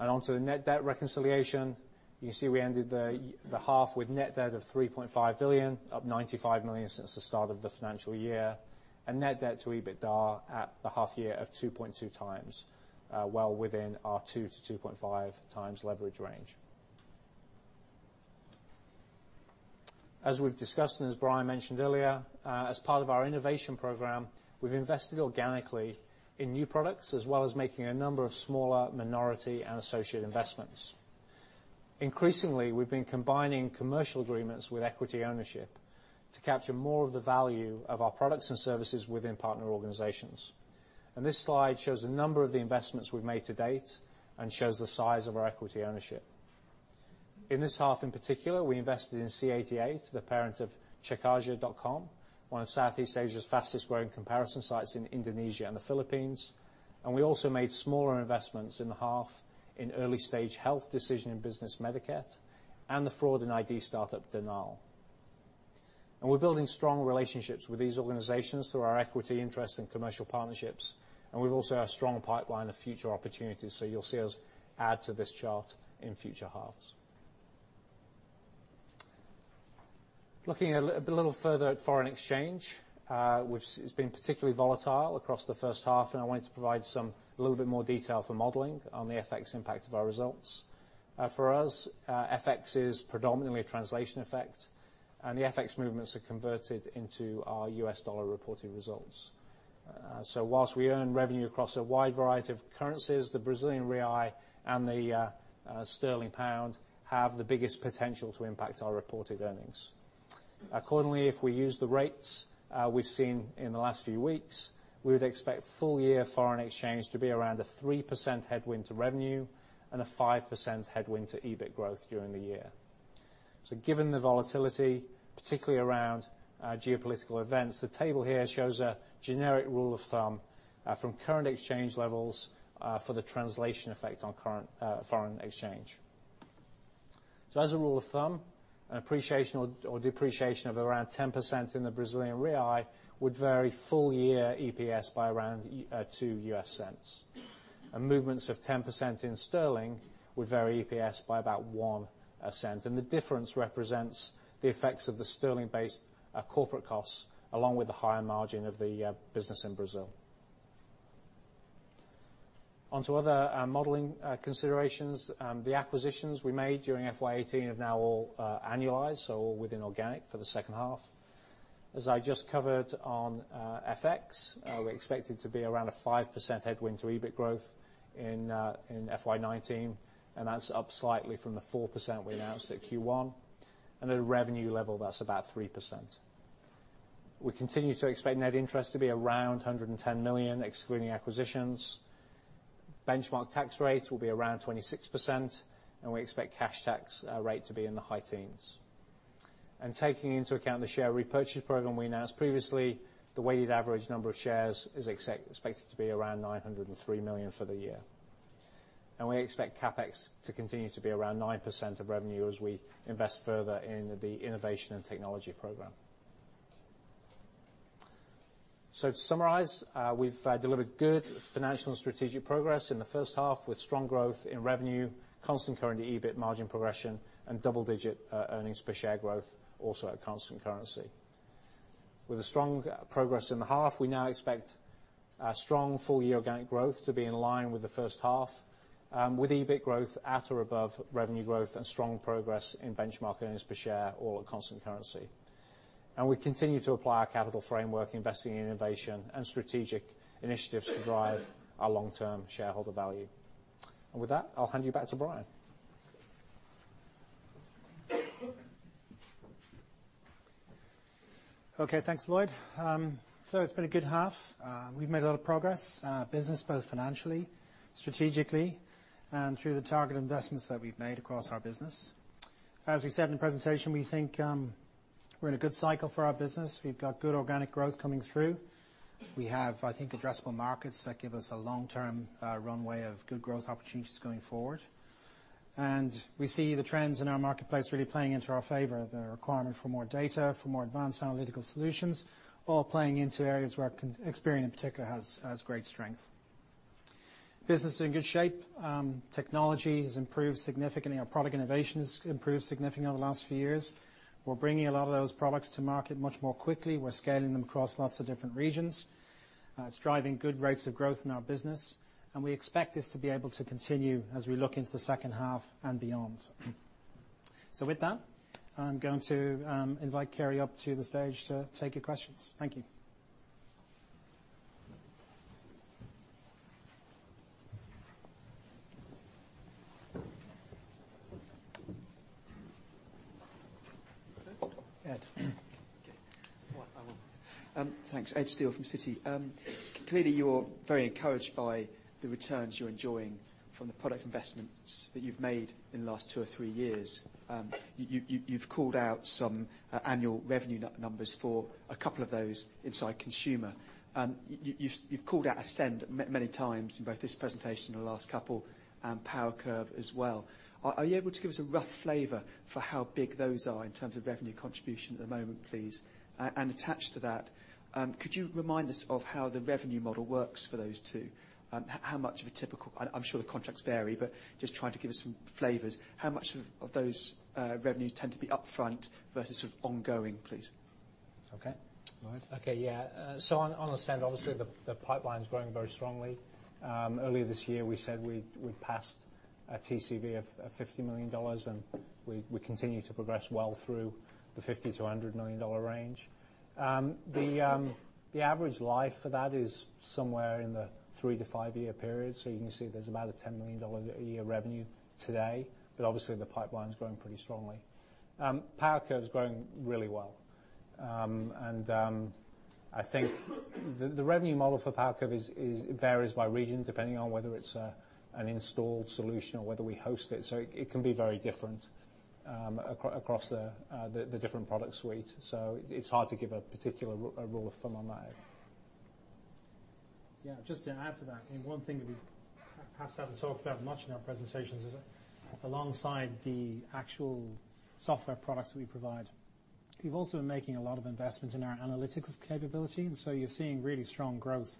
On to the net debt reconciliation. You can see we ended the half with net debt of $3.5 billion, up $95 million since the start of the financial year, and net debt to EBITDA at the half year of 2.2x, well within our 2x-2.5x leverage range. As we've discussed, as Brian mentioned earlier, as part of our innovation program, we've invested organically in new products as well as making a number of smaller minority and associate investments. Increasingly, we've been combining commercial agreements with equity ownership to capture more of the value of our products and services within partner organizations. This slide shows a number of the investments we've made to date and shows the size of our equity ownership. In this half in particular, we invested in C88, the parent of CekAja.com, one of Southeast Asia's fastest growing comparison sites in Indonesia and the Philippines. We also made smaller investments in the half in early-stage health decision in business [Mediketh and the fraud and ID startup DenyAll. We're building strong relationships with these organizations through our equity interest in commercial partnerships, and we've also a strong pipeline of future opportunities. You'll see us add to this chart in future halves. Looking a little further at foreign exchange, which has been particularly volatile across the first half, and I wanted to provide a little bit more detail for modeling on the FX impact of our results. For us, FX is predominantly a translation effect, and the FX movements are converted into our U.S. dollar reported results. Whilst we earn revenue across a wide variety of currencies, the Brazilian real and the sterling pound have the biggest potential to impact our reported earnings. Accordingly, if we use the rates we've seen in the last few weeks, we would expect full year foreign exchange to be around a 3% headwind to revenue and a 5% headwind to EBIT growth during the year. Given the volatility, particularly around geopolitical events, the table here shows a generic rule of thumb from current exchange levels for the translation effect on foreign exchange. As a rule of thumb, an appreciation or depreciation of around 10% in the Brazilian real would vary full year EPS by around $0.02. Movements of 10% in sterling would vary EPS by about $0.01, and the difference represents the effects of the sterling-based corporate costs along with the higher margin of the business in Brazil. On to other modeling considerations. The acquisitions we made during FY 2018 have now all annualized, so all within organic for the second half. As I just covered on FX, we expect it to be around a 5% headwind to EBIT growth in FY 2019, and that's up slightly from the 4% we announced at Q1. At a revenue level, that's about 3%. We continue to expect net interest to be around $110 million, excluding acquisitions. Benchmark tax rates will be around 26%, and we expect cash tax rate to be in the high 10s. Taking into account the share repurchase program we announced previously, the weighted average number of shares is expected to be around 903 million for the year. We expect CapEx to continue to be around 9% of revenue as we invest further in the innovation and technology program. To summarize, we've delivered good financial and strategic progress in the first half with strong growth in revenue, constant currency EBIT margin progression, and double-digit earnings per share growth also at constant currency. With a strong progress in the half, we now expect strong full-year organic growth to be in line with the first half, with EBIT growth at or above revenue growth and strong progress in benchmark earnings per share, all at constant currency. We continue to apply our capital framework, investing in innovation and strategic initiatives to drive our long-term shareholder value. With that, I'll hand you back to Brian. Okay. Thanks, Lloyd. It's been a good half. We've made a lot of progress both financially, strategically, and through the target investments that we've made across our business. As we said in the presentation, we think we're in a good cycle for our business. We've got good organic growth coming through. We have, I think, addressable markets that give us a long-term runway of good growth opportunities going forward. We see the trends in our marketplace really playing into our favor. The requirement for more data, for more advanced analytical solutions, all playing into areas where Experian in particular has great strength. Business is in good shape. Technology has improved significantly. Our product innovation has improved significantly over the last few years. We're bringing a lot of those products to market much more quickly. We're scaling them across lots of different regions. It's driving good rates of growth in our business, we expect this to be able to continue as we look into the second half and beyond. With that, I'm going to invite Kerry up to the stage to take your questions. Thank you. Ed. Okay. Thanks. Ed Steele from Citi. Clearly, you are very encouraged by the returns you are enjoying from the product investments that you have made in the last two or three years. You have called out some annual revenue numbers for a couple of those inside consumer. You have called out Ascend many times in both this presentation and the last couple, and PowerCurve as well. Are you able to give us a rough flavor for how big those are in terms of revenue contribution at the moment, please? Attached to that, could you remind us of how the revenue model works for those two? I am sure the contracts vary, just trying to give us some flavors. How much of those revenues tend to be upfront versus ongoing, please? Okay. Lloyd? Okay. Yeah. On Ascend, obviously, the pipeline is growing very strongly. Earlier this year, we said we passed a TCV of $50 million, and we continue to progress well through the $50 million-$100 million range. The average life for that is somewhere in the three to five-year period. You can see there is about a $10 million a year revenue today, obviously, the pipeline is growing pretty strongly. PowerCurve is growing really well. I think the revenue model for PowerCurve varies by region, depending on whether it is an installed solution or whether we host it. It can be very different across the different product suite. It is hard to give a particular rule of thumb on that. Yeah, just to add to that, I think one thing that we perhaps have not talked about much in our presentations is that alongside the actual software products that we provide, we have also been making a lot of investment in our analytics capability. You are seeing really strong growth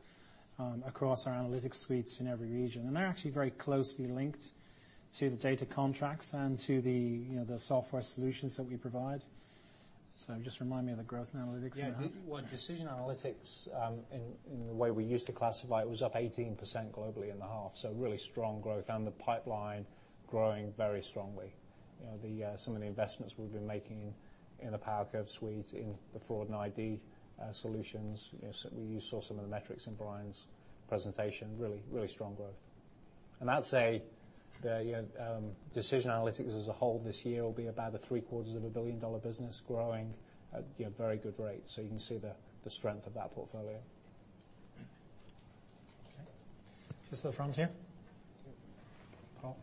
across our analytics suites in every region, and they are actually very closely linked to the data contracts and to the software solutions that we provide. Just remind me of the growth in analytics. Yeah. Well, decision analytics, in the way we used to classify it, was up 18% globally in the half, really strong growth, the pipeline growing very strongly. Some of the investments we've been making in the PowerCurve suite, in the fraud and ID solutions. You saw some of the metrics in Brian's presentation, really strong growth. I'd say the decision analytics as a whole this year will be about a three-quarters of a billion-dollar business growing at very good rates. You can see the strength of that portfolio. Okay. Just the front here. Paul.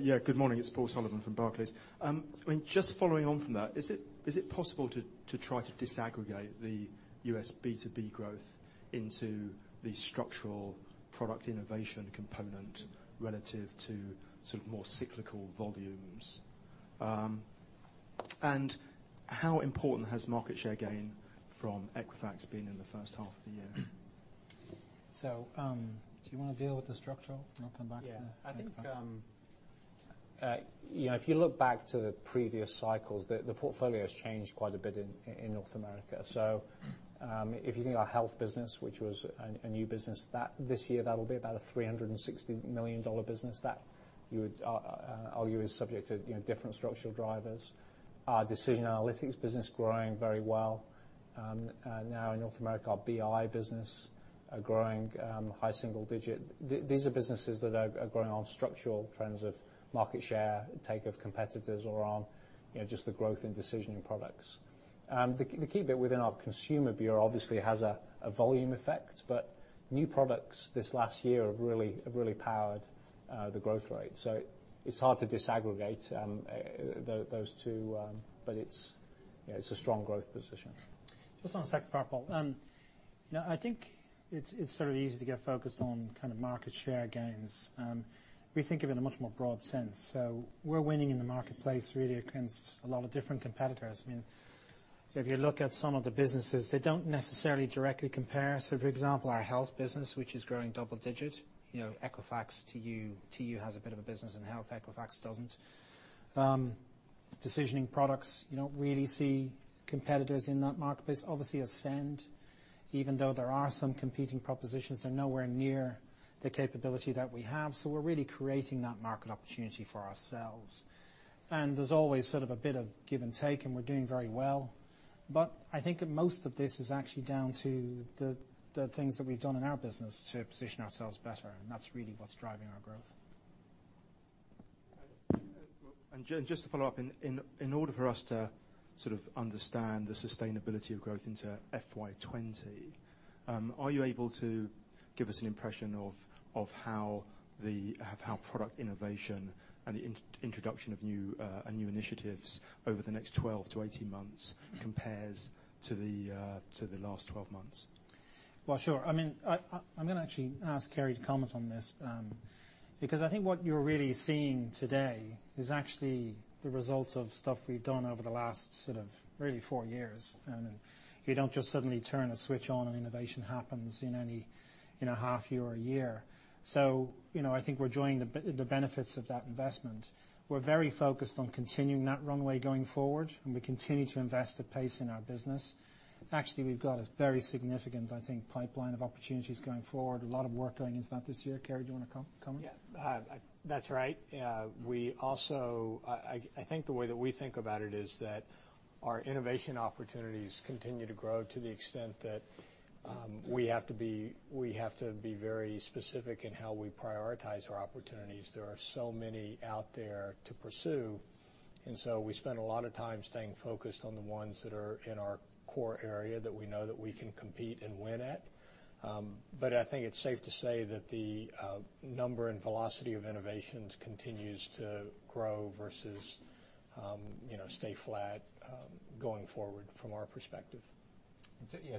Yeah. Good morning. It's Paul Sullivan from Barclays. Just following on from that, is it possible to try to disaggregate the U.S. B2B growth into the structural product innovation component relative to more cyclical volumes? How important has market share gain from Equifax been in the first half of the year? Do you want to deal with the structural, and I'll come back to that? Yeah. If you look back to the previous cycles, the portfolio has changed quite a bit in North America. If you think of our health business, which was a new business, this year, that'll be about a $360 million business that I'll argue is subject to different structural drivers. Our Decision Analytics business growing very well. Now in North America, our BI business growing high single digit. These are businesses that are growing on structural trends of market share, take of competitors, or on just the growth in decisioning products. The key bit within our consumer bureau, obviously, it has a volume effect, but new products this last year have really powered the growth rate. It's hard to disaggregate those two. It's a strong growth position. Just on the second part, Paul. I think it's easy to get focused on market share gains. We think of it in a much more broad sense. We're winning in the marketplace, really, against a lot of different competitors. If you look at some of the businesses, they don't necessarily directly compare. For example, our health business, which is growing double digit. Equifax, TransUnion. TransUnion has a bit of a business in health, Equifax doesn't. Decisioning products, you don't really see competitors in that marketplace. Obviously, Ascend, even though there are some competing propositions, they're nowhere near the capability that we have. We're really creating that market opportunity for ourselves. There's always a bit of give and take, and we're doing very well. I think that most of this is actually down to the things that we've done in our business to position ourselves better, and that's really what's driving our growth. Just to follow up. In order for us to understand the sustainability of growth into FY 2020, are you able to give us an impression of how product innovation and the introduction of new initiatives over the next 12-18 months compares to the last 12 months? Well, sure. I'm going to actually ask Kerry to comment on this, because I think what you're really seeing today is actually the result of stuff we've done over the last really four years. You don't just suddenly turn a switch on and innovation happens in a half year or a year. I think we're enjoying the benefits of that investment. We're very focused on continuing that runway going forward, and we continue to invest at pace in our business. Actually, we've got a very significant, I think, pipeline of opportunities going forward. A lot of work going into that this year. Kerry, do you want to comment? Yeah. That's right. I think the way that we think about it is that our innovation opportunities continue to grow to the extent that we have to be very specific in how we prioritize our opportunities. There are so many out there to pursue. We spend a lot of time staying focused on the ones that are in our core area that we know that we can compete and win at. I think it's safe to say that the number and velocity of innovations continues to grow versus stay flat going forward from our perspective.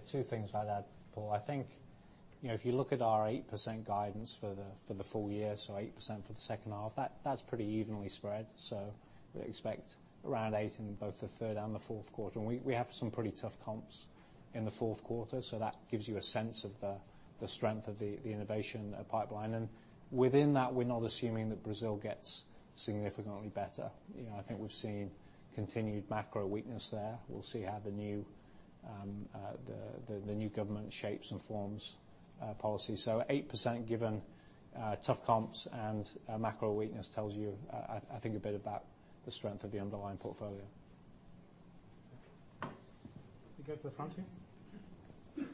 Two things I'd add, Paul. I think if you look at our 8% guidance for the full year, 8% for the second half, that's pretty evenly spread. We expect around 8 in both the third and the fourth quarter. We have some pretty tough comps in the fourth quarter, that gives you a sense of the strength of the innovation pipeline. Within that, we're not assuming that Brazil gets significantly better. I think we've seen continued macro weakness there. We'll see how the new government shapes and forms policy. 8% given tough comps and macro weakness tells you, I think, a bit about the strength of the underlying portfolio. We go to the front here.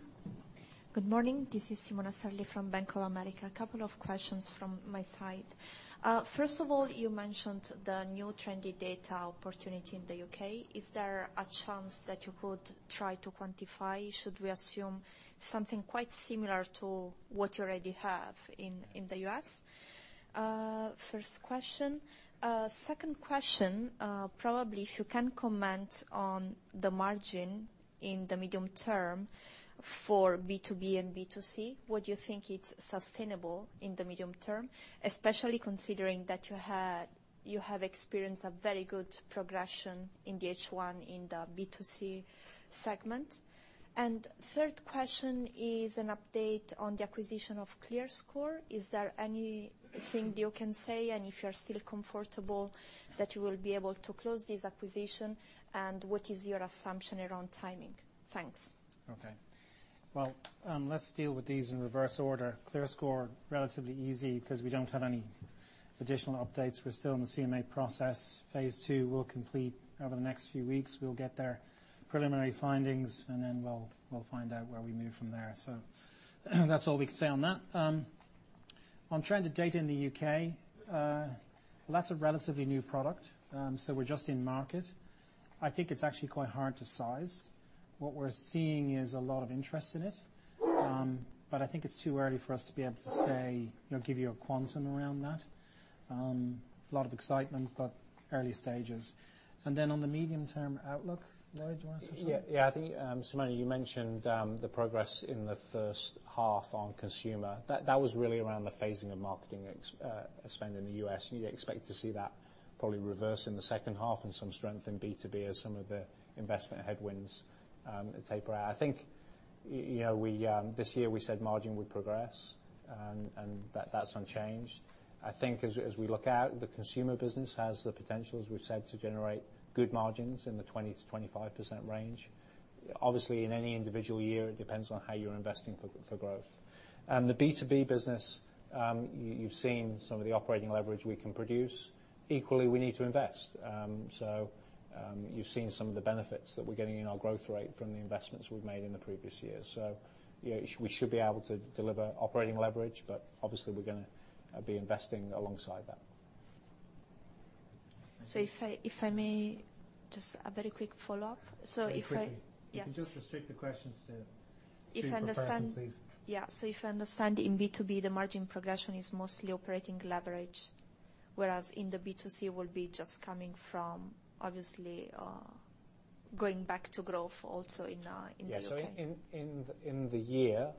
Good morning. This is Simona Sarli from Bank of America. A couple of questions from my side. First of all, you mentioned the new Trended Data opportunity in the U.K. Is there a chance that you could try to quantify? Should we assume something quite similar to what you already have in the U.S.? First question. Second question, probably if you can comment on the margin in the medium term for B2B and B2C. Would you think it's sustainable in the medium term, especially considering that you have experienced a very good progression in the H1 in the B2C segment? Third question is an update on the acquisition of ClearScore. Is there anything you can say, and if you're still comfortable that you will be able to close this acquisition, and what is your assumption around timing? Thanks. Okay. Well, let's deal with these in reverse order. ClearScore, relatively easy because we don't have any additional updates. We're still in the CMA process. Phase II will complete over the next few weeks. We'll get their preliminary findings, and then we'll find out where we move from there. That's all we can say on that. On Trended Data in the U.K., well, that's a relatively new product. We're just in market. I think it's actually quite hard to size. What we're seeing is a lot of interest in it. I think it's too early for us to be able to give you a quantum around that. A lot of excitement, but early stages. On the medium-term outlook, Lloyd, do you want to say? Yeah, I think, Simona, you mentioned the progress in the first half on consumer. That was really around the phasing of marketing spend in the U.S. You'd expect to see that probably reverse in the second half and some strength in B2B as some of the investment headwinds taper out. I think this year we said margin would progress, and that's unchanged. I think as we look out, the consumer business has the potential, as we've said, to generate good margins in the 20%-25% range. Obviously, in any individual year, it depends on how you're investing for growth. The B2B business, you've seen some of the operating leverage we can produce. Equally, we need to invest. You've seen some of the benefits that we're getting in our growth rate from the investments we've made in the previous year. We should be able to deliver operating leverage, but obviously, we're going to be investing alongside that. If I may, just a very quick follow-up. Very quickly. Yes. If you can just restrict the questions to three per person, please. If I understand, in B2B, the margin progression is mostly operating leverage. In the B2C will be just coming from, obviously, going back to growth also in the U.K. Yeah. In the year,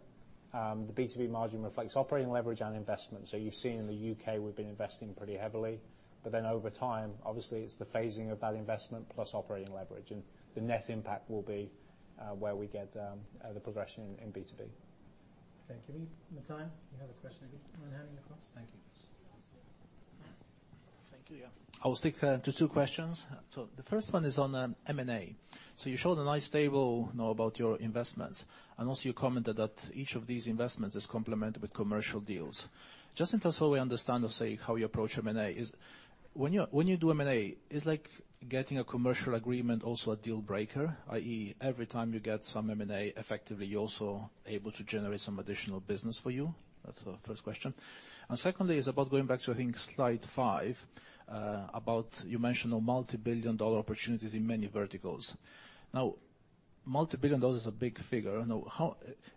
the B2B margin reflects operating leverage and investment. You've seen in the U.K. we've been investing pretty heavily. Over time, obviously, it's the phasing of that investment plus operating leverage. The net impact will be where we get the progression in B2B. Thank you. In the time, you have a question maybe on having across. Thank you. Thank you. Yeah. I will stick to two questions. The first one is on M&A. You showed a nice table now about your investments, also you commented that each of these investments is complemented with commercial deals. Just so we understand or say how you approach M&A is, when you do M&A, is like getting a commercial agreement also a deal breaker, i.e., every time you get some M&A, effectively, you're also able to generate some additional business for you? That's the first question. Secondly is about going back to, I think, slide five, about you mentioned the multibillion-dollar opportunities in many verticals. Multibillion dollars is a big figure.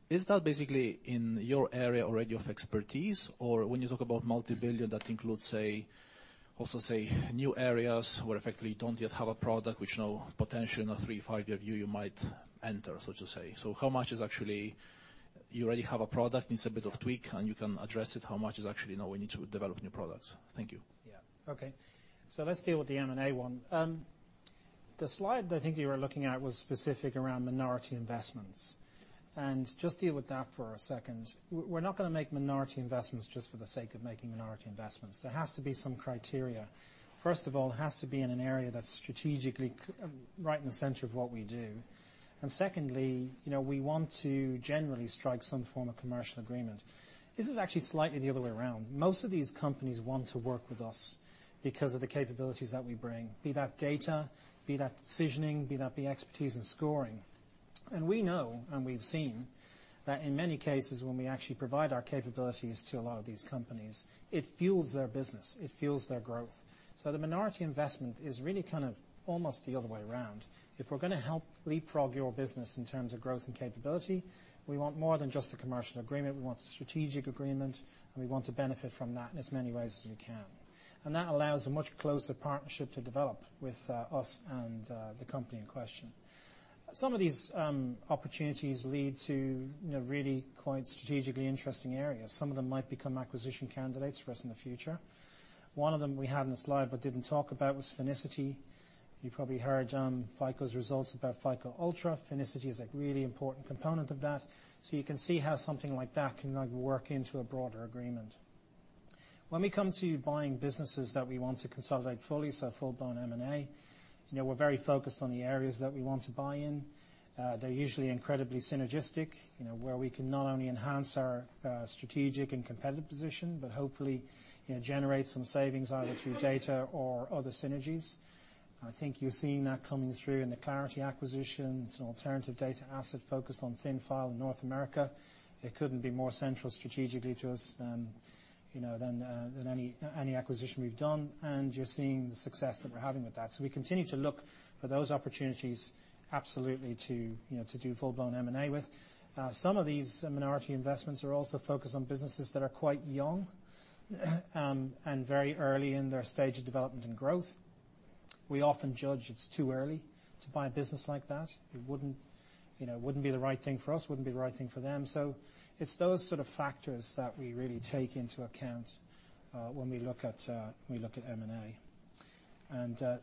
Is that basically in your area already of expertise? When you talk about multibillion, that includes also, say, new areas where effectively you don't yet have a product which now potentially in a three, five-year view you might enter so to say. How much is actually you already have a product needs a bit of tweak, and you can address it? How much is actually now we need to develop new products? Thank you. Yeah. Okay. Let's deal with the M&A one. The slide that I think you were looking at was specific around minority investments. Just deal with that for a second. We're not going to make minority investments just for the sake of making minority investments. There has to be some criteria. First of all, it has to be in an area that's strategically right in the center of what we do. Secondly, we want to generally strike some form of commercial agreement. This is actually slightly the other way around. Most of these companies want to work with us because of the capabilities that we bring, be that data, be that decisioning, be that expertise in scoring. We know and we've seen that in many cases when we actually provide our capabilities to a lot of these companies, it fuels their business, it fuels their growth. The minority investment is really kind of almost the other way around. If we're going to help leapfrog your business in terms of growth and capability, we want more than just the commercial agreement. We want strategic agreement, and we want to benefit from that in as many ways as we can. That allows a much closer partnership to develop with us and the company in question. Some of these opportunities lead to really quite strategically interesting areas. Some of them might become acquisition candidates for us in the future. One of them we had in the slide but didn't talk about was Finicity. You probably heard FICO's results about FICO Ultra. Finicity is a really important component of that. You can see how something like that can now work into a broader agreement. When we come to buying businesses that we want to consolidate fully, so full-blown M&A, we're very focused on the areas that we want to buy in. They're usually incredibly synergistic, where we can not only enhance our strategic and competitive position, but hopefully generate some savings either through data or other synergies. I think you're seeing that coming through in the Clarity acquisition. It's an alternative data asset focused on thin file in North America. It couldn't be more central strategically to us than any acquisition we've done. You're seeing the success that we're having with that. We continue to look for those opportunities absolutely to do full-blown M&A with. Some of these minority investments are also focused on businesses that are quite young and very early in their stage of development and growth. We often judge it's too early to buy a business like that. It wouldn't be the right thing for us, wouldn't be the right thing for them. It's those sort of factors that we really take into account when we look at M&A.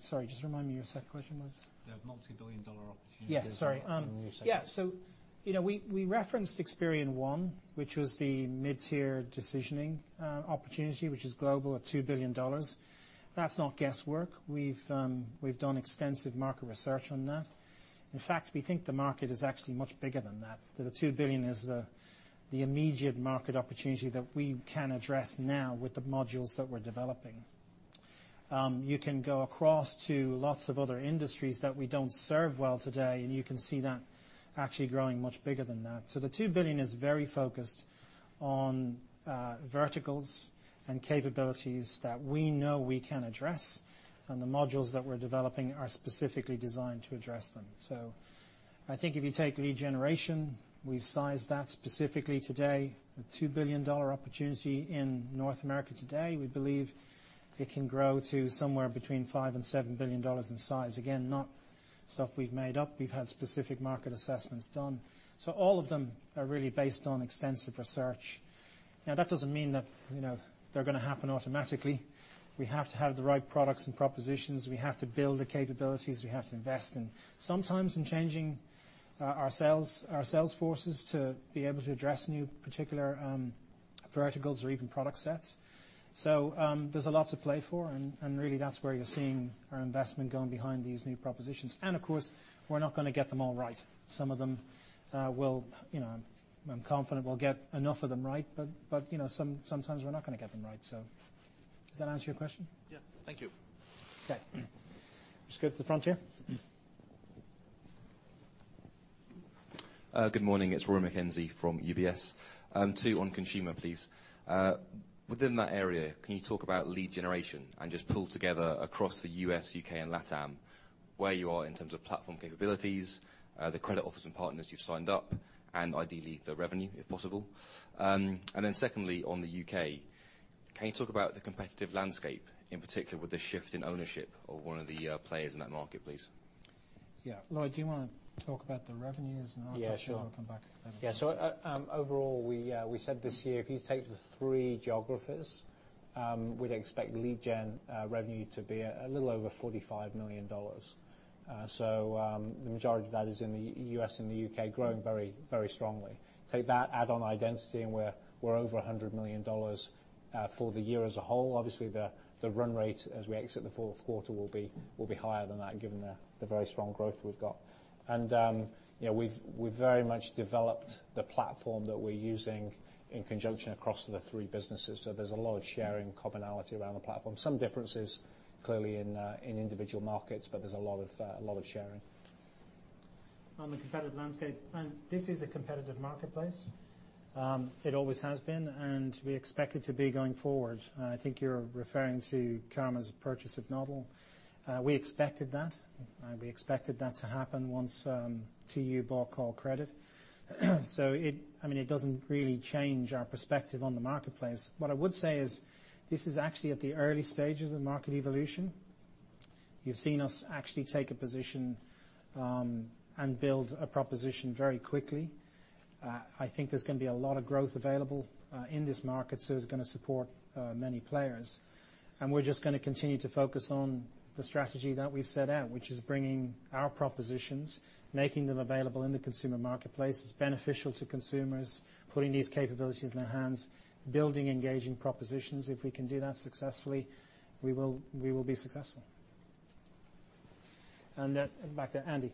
Sorry, just remind me what your second question was. The multibillion-dollar opportunities. Yes, sorry. Then you said. Yeah. We referenced Experian One, which was the mid-tier decisioning opportunity, which is global at $2 billion. That's not guesswork. We've done extensive market research on that. In fact, we think the market is actually much bigger than that the $2 billion is the immediate market opportunity that we can address now with the modules that we're developing. You can go across to lots of other industries that we don't serve well today, you can see that actually growing much bigger than that. The $2 billion is very focused on verticals and capabilities that we know we can address, the modules that we're developing are specifically designed to address them. I think if you take lead generation, we've sized that specifically today, the $2 billion opportunity in North America today. We believe it can grow to somewhere between $5 billion and $7 billion in size. Not stuff we've made up. We've had specific market assessments done. All of them are really based on extensive research. That doesn't mean that they're going to happen automatically. We have to have the right products and propositions. We have to build the capabilities. We have to invest in sometimes in changing our sales forces to be able to address new particular verticals or even product sets. There's a lot to play for, and really that's where you're seeing our investment going behind these new propositions. Of course, we're not going to get them all right. Some of them will, I'm confident we'll get enough of them right, but sometimes we're not going to get them right. Does that answer your question? Yeah. Thank you. Okay. Just go up to the front here. Good morning. It's Rory Mackenzie from UBS. Two on consumer, please. Within that area, can you talk about lead generation and just pull together across the U.S., U.K., and LATAM where you are in terms of platform capabilities, the credit offers and partners you've signed up, and ideally the revenue, if possible? Then secondly, on the U.K., can you talk about the competitive landscape, in particular with the shift in ownership of one of the players in that market, please? Lloyd, do you want to talk about the revenues? Sure. I can come back. Overall, we said this year, if you take the three geographies, we'd expect Lead Gen revenue to be a little over $45 million. The majority of that is in the U.S. and the U.K. growing very strongly. Take that add on identity, and we're over $100 million for the year as a whole. Obviously, the run rate as we exit the fourth quarter will be higher than that given the very strong growth we've got. We've very much developed the platform that we're using in conjunction across the three businesses. There's a lot of sharing commonality around the platform. Some differences clearly in individual markets, but there's a lot of sharing. On the competitive landscape. This is a competitive marketplace. It always has been, and we expect it to be going forward. I think you're referring to Credit Karma's purchase of Noddle. We expected that to happen once TU bought Callcredit. It doesn't really change our perspective on the marketplace. What I would say is this is actually at the early stages of market evolution. You've seen us actually take a position and build a proposition very quickly. I think there's going to be a lot of growth available in this market, so it's going to support many players. We're just going to continue to focus on the strategy that we've set out, which is bringing our propositions, making them available in the consumer marketplace. It's beneficial to consumers, putting these capabilities in their hands, building engaging propositions. If we can do that successfully, we will be successful. Back to Andy.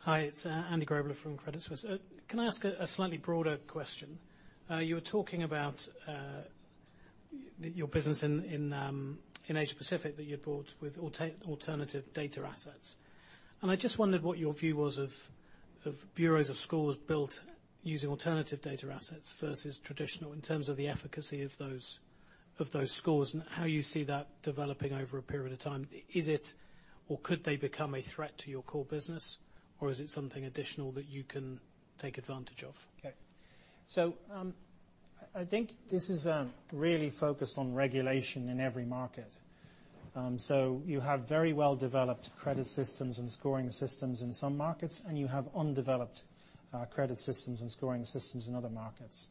Hi, it's Andrew Grobler from Credit Suisse. Can I ask a slightly broader question? You were talking about your business in Asia-Pacific that you bought with alternative data assets. I just wondered what your view was of bureaus of scores built using alternative data assets versus traditional in terms of the efficacy of those scores and how you see that developing over a period of time. Is it or could they become a threat to your core business, or is it something additional that you can take advantage of? Okay. I think this is really focused on regulation in every market. You have very well-developed credit systems and scoring systems in some markets, and you have undeveloped credit systems and scoring systems in other markets.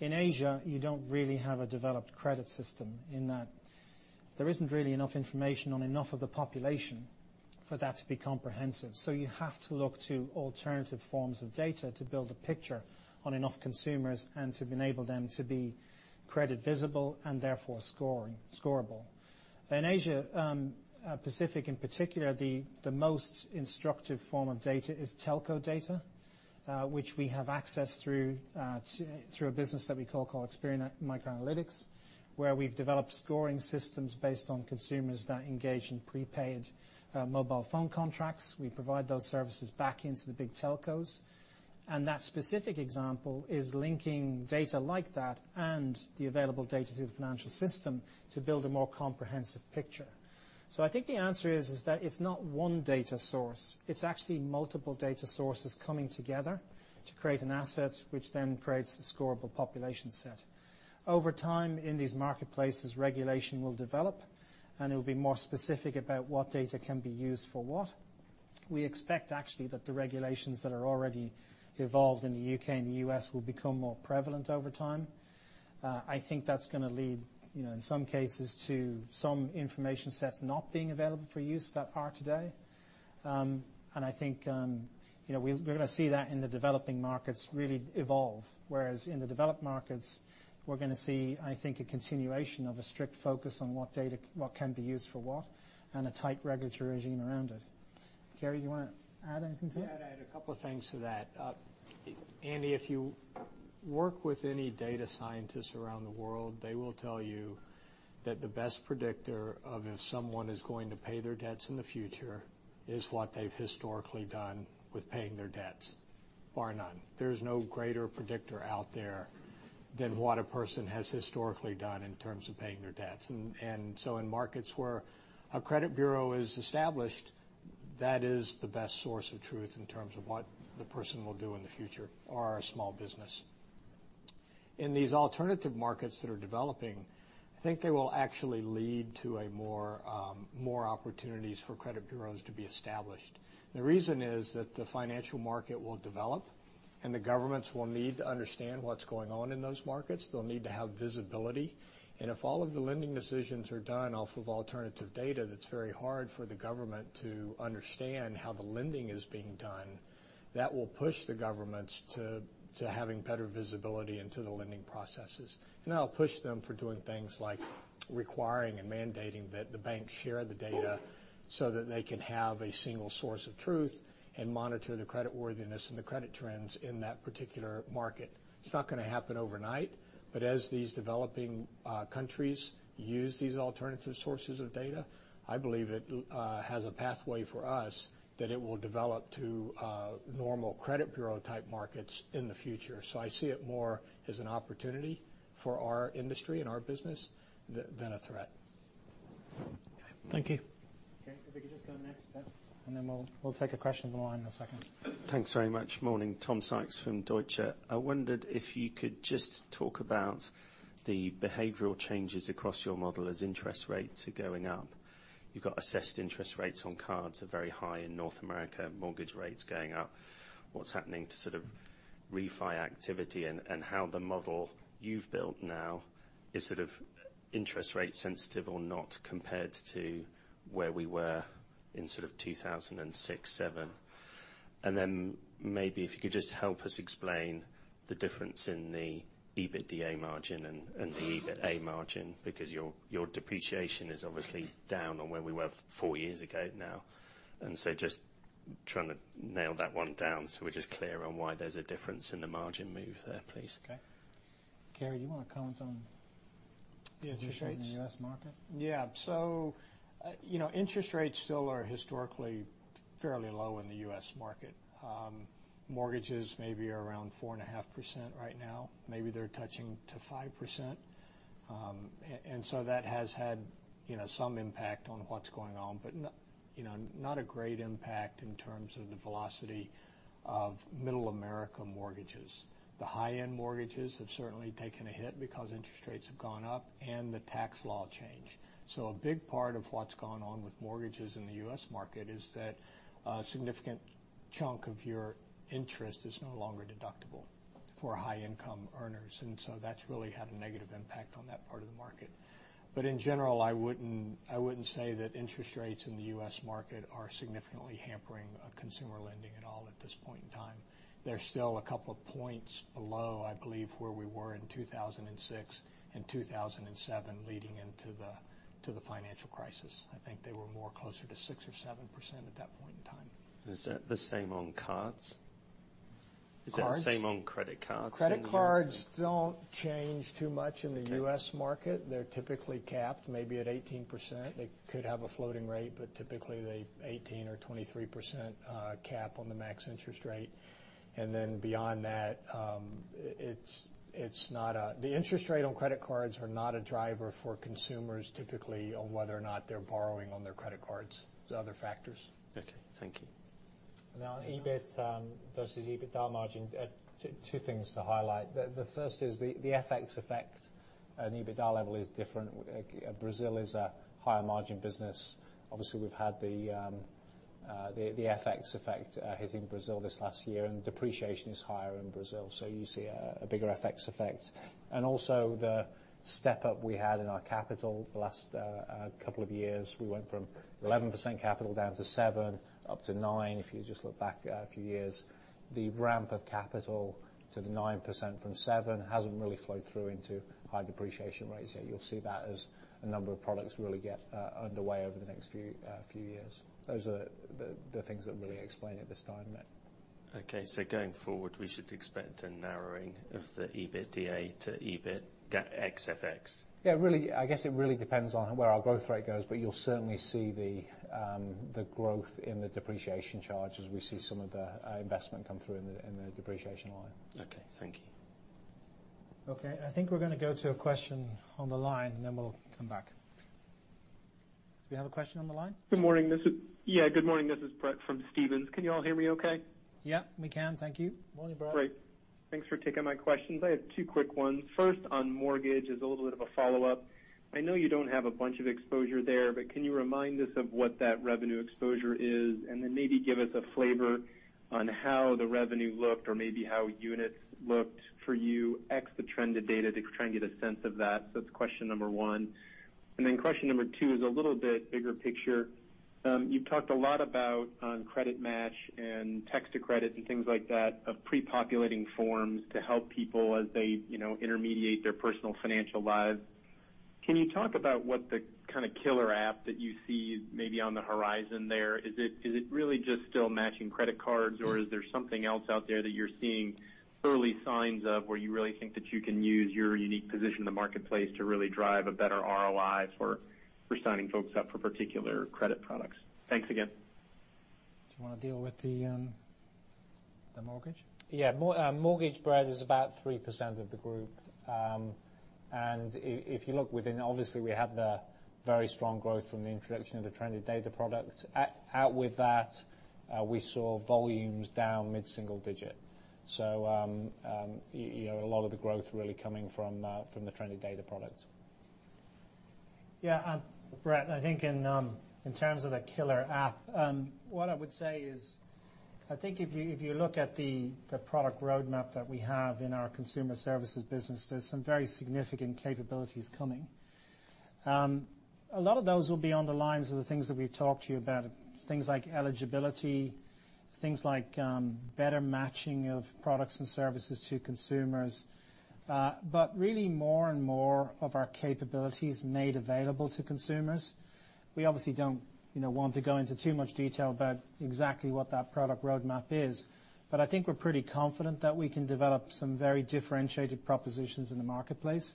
In Asia, you don't really have a developed credit system in that there isn't really enough information on enough of the population for that to be comprehensive. You have to look to alternative forms of data to build a picture on enough consumers and to enable them to be credit visible and therefore scorable. In Asia-Pacific in particular, the most instructive form of data is telco data which we have access through a business that we call Experian MicroAnalytics, where we've developed scoring systems based on consumers that engage in prepaid mobile phone contracts. We provide those services back into the big telcos. That specific example is linking data like that and the available data to the financial system to build a more comprehensive picture. I think the answer is that it's not one data source. It's actually multiple data sources coming together to create an asset, which then creates a scorable population set. Over time in these marketplaces, regulation will develop, and it will be more specific about what data can be used for what. We expect actually that the regulations that are already evolved in the U.K. and the U.S. will become more prevalent over time. I think that's going to lead, in some cases, to some information sets not being available for use that are today. I think we're going to see that in the developing markets really evolve, whereas in the developed markets, we're going to see, I think, a continuation of a strict focus on what can be used for what and a tight regulatory regime around it. Kerry, you want to add anything to that? Yeah, I'd add a couple of things to that. Andy, if you work with any data scientists around the world, they will tell you that the best predictor of if someone is going to pay their debts in the future is what they've historically done with paying their debts, bar none. There is no greater predictor out there than what a person has historically done in terms of paying their debts. In markets where a credit bureau is established, that is the best source of truth in terms of what the person will do in the future or a small business. In these alternative markets that are developing, I think they will actually lead to more opportunities for credit bureaus to be established. The reason is that the financial market will develop, and the governments will need to understand what's going on in those markets. They'll need to have visibility. If all of the lending decisions are done off of alternative data, that's very hard for the government to understand how the lending is being done. That will push the governments to having better visibility into the lending processes, and that'll push them for doing things like requiring and mandating that the banks share the data so that they can have a single source of truth and monitor the credit worthiness and the credit trends in that particular market. It's not going to happen overnight, but as these developing countries use these alternative sources of data, I believe it has a pathway for us that it will develop to normal credit bureau type markets in the future. I see it more as an opportunity for our industry and our business than a threat. Thank you. Okay. If we could just go next, then we'll take a question on the line in a second. Thanks very much. Morning. Tom Sykes from Deutsche. I wondered if you could just talk about the behavioral changes across your model as interest rates are going up. You've got assessed interest rates on cards are very high in North America, mortgage rates going up. What's happening to refi activity and how the model you've built now is interest rate sensitive or not compared to where we were in 2006, 2007? Then maybe if you could just help us explain the difference in the EBITDA margin and the EBITA margin because your depreciation is obviously down on where we were four years ago now. Just trying to nail that one down so we're just clear on why there's a difference in the margin move there, please. Okay. Kerry, do you want to comment on. Yeah. interest rates in the U.S. market? Yeah. Interest rates still are historically fairly low in the U.S. market. Mortgages maybe are around 4.5% right now. Maybe they're touching to 5%. That has had some impact on what's going on, but not a great impact in terms of the velocity of Middle America mortgages. The high-end mortgages have certainly taken a hit because interest rates have gone up and the tax law change. A big part of what's gone on with mortgages in the U.S. market is that a significant chunk of your interest is no longer deductible for high-income earners. That's really had a negative impact on that part of the market. In general, I wouldn't say that interest rates in the U.S. market are significantly hampering consumer lending at all at this point in time. They're still a couple of points below, I believe, where we were in 2006 and 2007 leading into the financial crisis. I think they were more closer to 6% or 7% at that point in time. Is that the same on cards? Cards? Is that the same on credit cards in the U.S.? Credit cards don't change too much in the U.S. market. Okay. They're typically capped maybe at 18%. They could have a floating rate, but typically they 18% or 23% cap on the max interest rate. Beyond that, the interest rate on credit cards are not a driver for consumers typically on whether or not they're borrowing on their credit cards. There's other factors. Okay. Thank you. On EBIT versus EBITDA margin, two things to highlight. The first is the FX effect at an EBITDA level is different. Brazil is a higher margin business. Obviously, we've had the FX effect hitting Brazil this last year, and depreciation is higher in Brazil, so you see a bigger FX effect. Also the step-up we had in our capital the last couple of years, we went from 11% capital down to 7% up to 9%, if you just look back a few years. The ramp of capital to the 9% from 7% hasn't really flowed through into high depreciation rates yet. You'll see that as a number of products really get underway over the next few years. Those are the things that really explain it this time. Okay. Going forward, we should expect a narrowing of the EBITDA to EBIT ex FX. Yeah, I guess it really depends on where our growth rate goes, but you'll certainly see the growth in the depreciation charge as we see some of the investment come through in the depreciation line. Okay. Thank you. Okay. I think we're going to go to a question on the line, and then we'll come back. Do we have a question on the line? Good morning. Yeah, good morning. This is Brett from Stephens. Can you all hear me okay? Yeah, we can. Thank you. Morning, Brett. Great. Thanks for taking my questions. I have two quick ones. First, on mortgage as a little bit of a follow-up. I know you don't have a bunch of exposure there, but can you remind us of what that revenue exposure is, and then maybe give us a flavor on how the revenue looked or maybe how units looked for you ex the Trended Data to try and get a sense of that? That's question number one. Question number two is a little bit bigger picture. You've talked a lot about on CreditMatcher and Text for Credit and things like that, of pre-populating forms to help people as they intermediate their personal financial lives. Can you talk about what the kind of killer app that you see maybe on the horizon there? Is it really just still matching credit cards, or is there something else out there that you're seeing early signs of where you really think that you can use your unique position in the marketplace to really drive a better ROI for signing folks up for particular credit products? Thanks again. Do you want to deal with the mortgage? Yeah. Mortgage, Brett, is about 3% of the group. If you look within, obviously, we have the very strong growth from the introduction of the Trended Data product. Out with that, we saw volumes down mid-single digit. A lot of the growth really coming from the Trended Data product. Yeah. Brett, I think in terms of the killer app, what I would say is, I think if you look at the product roadmap that we have in our consumer services business, there's some very significant capabilities coming. A lot of those will be on the lines of the things that we've talked to you about, things like eligibility, things like better matching of products and services to consumers. Really more and more of our capabilities made available to consumers. We obviously don't want to go into too much detail about exactly what that product roadmap is. I think we're pretty confident that we can develop some very differentiated propositions in the marketplace,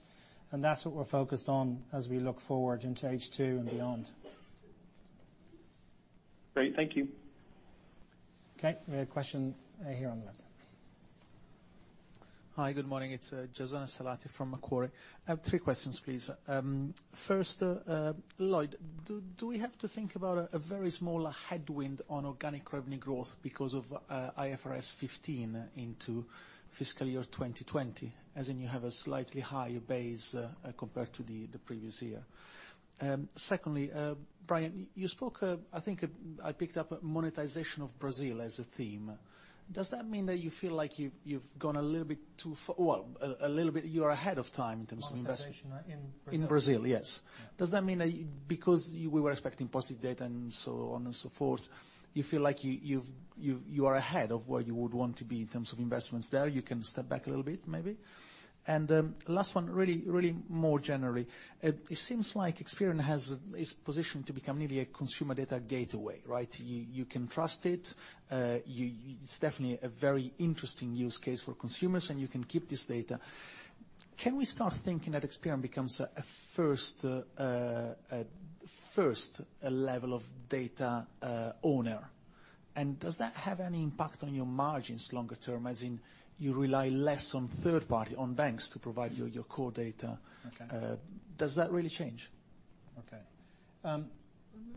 and that's what we're focused on as we look forward into H2 and beyond. Great. Thank you. Okay. We have a question here on the left Hi, good morning. It's Giasone Salati from Macquarie. I have three questions, please. First, Lloyd, do we have to think about a very small headwind on organic revenue growth because of IFRS 15 into fiscal year 2020, as in you have a slightly higher base compared to the previous year? Secondly, Brian, you spoke, I think I picked up monetization of Brazil as a theme. Does that mean that you feel like you've gone a little bit, you're ahead of time in terms of investment? Monetization in Brazil? In Brazil, yes. Does that mean because we were expecting positive data and so on and so forth, you feel like you are ahead of where you would want to be in terms of investments there, you can step back a little bit maybe? Last one, really more generally. It seems like Experian is positioned to become nearly a consumer data gateway, right? You can trust it. It's definitely a very interesting use case for consumers, and you can keep this data. Can we start thinking that Experian becomes a first level of data owner, and does that have any impact on your margins longer term, as in you rely less on third-party, on banks to provide you your core data? Okay. Does that really change? Okay.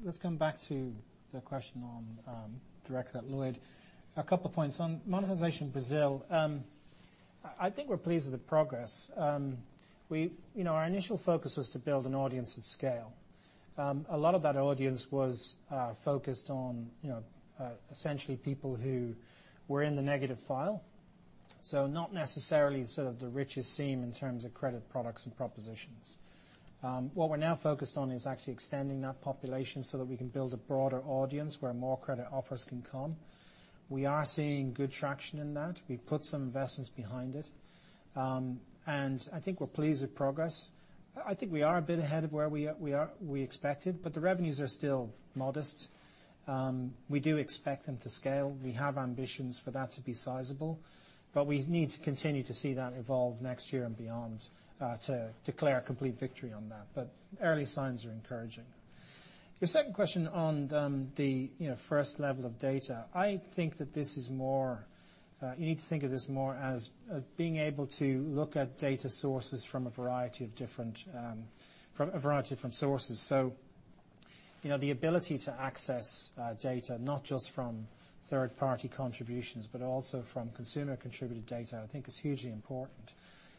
Let's come back to the question on, direct at Lloyd. A couple points. On monetization Brazil, I think we're pleased with the progress. Our initial focus was to build an audience at scale. A lot of that audience was focused on essentially people who were in the negative file, so not necessarily sort of the richest seam in terms of credit products and propositions. What we're now focused on is actually extending that population so that we can build a broader audience where more credit offers can come. We are seeing good traction in that. We put some investments behind it. I think we're pleased with progress. I think we are a bit ahead of where we expected, but the revenues are still modest. We do expect them to scale. We have ambitions for that to be sizable. We need to continue to see that evolve next year and beyond to declare a complete victory on that. Early signs are encouraging. Your second question on the first level of data, I think that you need to think of this more as being able to look at data sources from a variety of different sources. So, the ability to access data, not just from third-party contributions, but also from consumer-contributed data, I think is hugely important.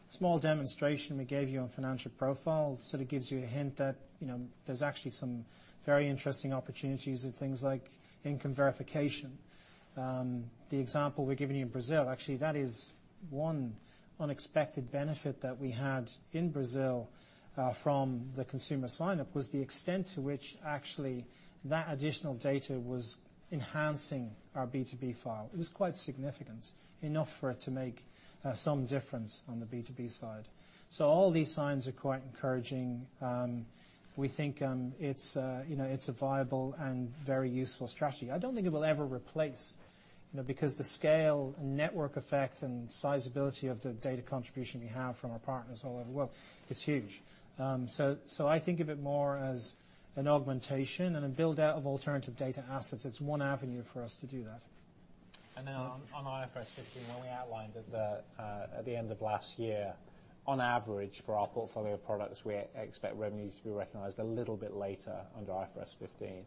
Small demonstration we gave you on Experian Financial Profile sort of gives you a hint that there's actually some very interesting opportunities with things like income verification. The example we've given you in Brazil, actually, that is one unexpected benefit that we had in Brazil, from the consumer sign-up, was the extent to which actually that additional data was enhancing our B2B file. It was quite significant, enough for it to make some difference on the B2B side. All these signs are quite encouraging. We think it's a viable and very useful strategy. I don't think it will ever replace, because the scale and network effect and sizeability of the data contribution we have from our partners all over the world is huge. I think of it more as an augmentation and a build-out of alternative data assets. It's one avenue for us to do that. On IFRS 15, when we outlined at the end of last year, on average for our portfolio of products, we expect revenues to be recognized a little bit later under IFRS 15,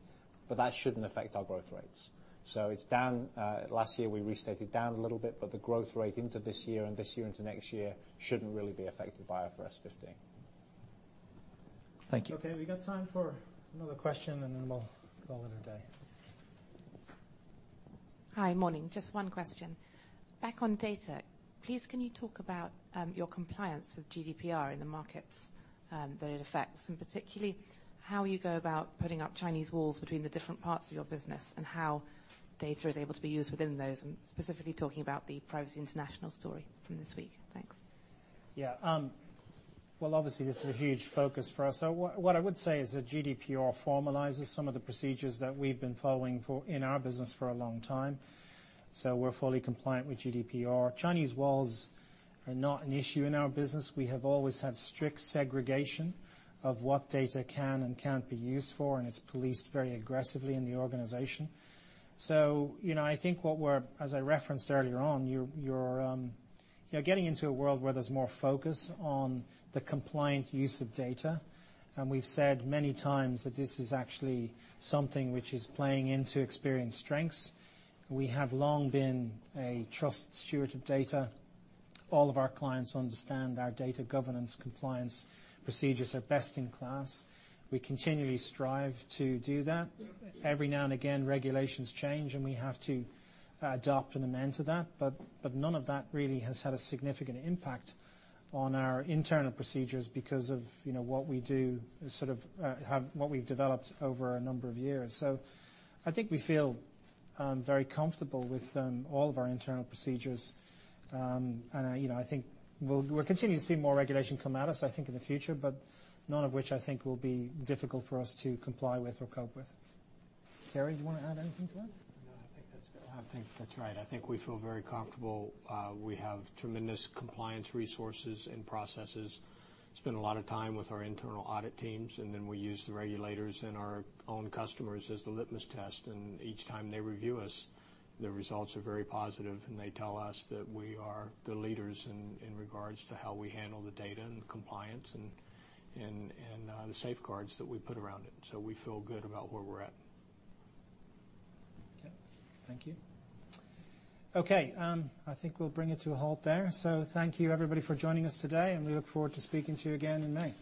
that shouldn't affect our growth rates. It's down, last year, we restated down a little bit, the growth rate into this year and this year into next year shouldn't really be affected by IFRS 15. Thank you. Okay, we got time for another question, we'll call it a day. Hi. Morning. Just one question. Back on data, please, can you talk about your compliance with GDPR in the markets that it affects, and particularly how you go about putting up Chinese walls between the different parts of your business and how data is able to be used within those? I'm specifically talking about the Privacy International story from this week. Thanks. Yeah. Well, obviously, this is a huge focus for us. What I would say is that GDPR formalizes some of the procedures that we've been following in our business for a long time. We're fully compliant with GDPR. Chinese walls are not an issue in our business. We have always had strict segregation of what data can and can't be used for, and it's policed very aggressively in the organization. I think what we're, as I referenced earlier on, you're getting into a world where there's more focus on the compliant use of data. We've said many times that this is actually something which is playing into Experian's strengths. We have long been a trust steward of data. All of our clients understand our data governance compliance procedures are best in class. We continually strive to do that. Every now and again, regulations change, and we have to adapt and amend to that, but none of that really has had a significant impact on our internal procedures because of what we do, sort of what we've developed over a number of years. I think we feel very comfortable with all of our internal procedures. I think we'll continue to see more regulation come at us, I think, in the future, but none of which I think will be difficult for us to comply with or cope with. Kerry, do you want to add anything to that? No, I think that's good. I think that's right. I think we feel very comfortable. We have tremendous compliance resources and processes. Spend a lot of time with our internal audit teams, and then we use the regulators and our own customers as the litmus test, and each time they review us, the results are very positive, and they tell us that we are the leaders in regard to how we handle the data and the compliance and the safeguards that we put around it. We feel good about where we're at. Okay. Thank you. Okay, I think we'll bring it to a halt there. Thank you everybody for joining us today, and we look forward to speaking to you again in May.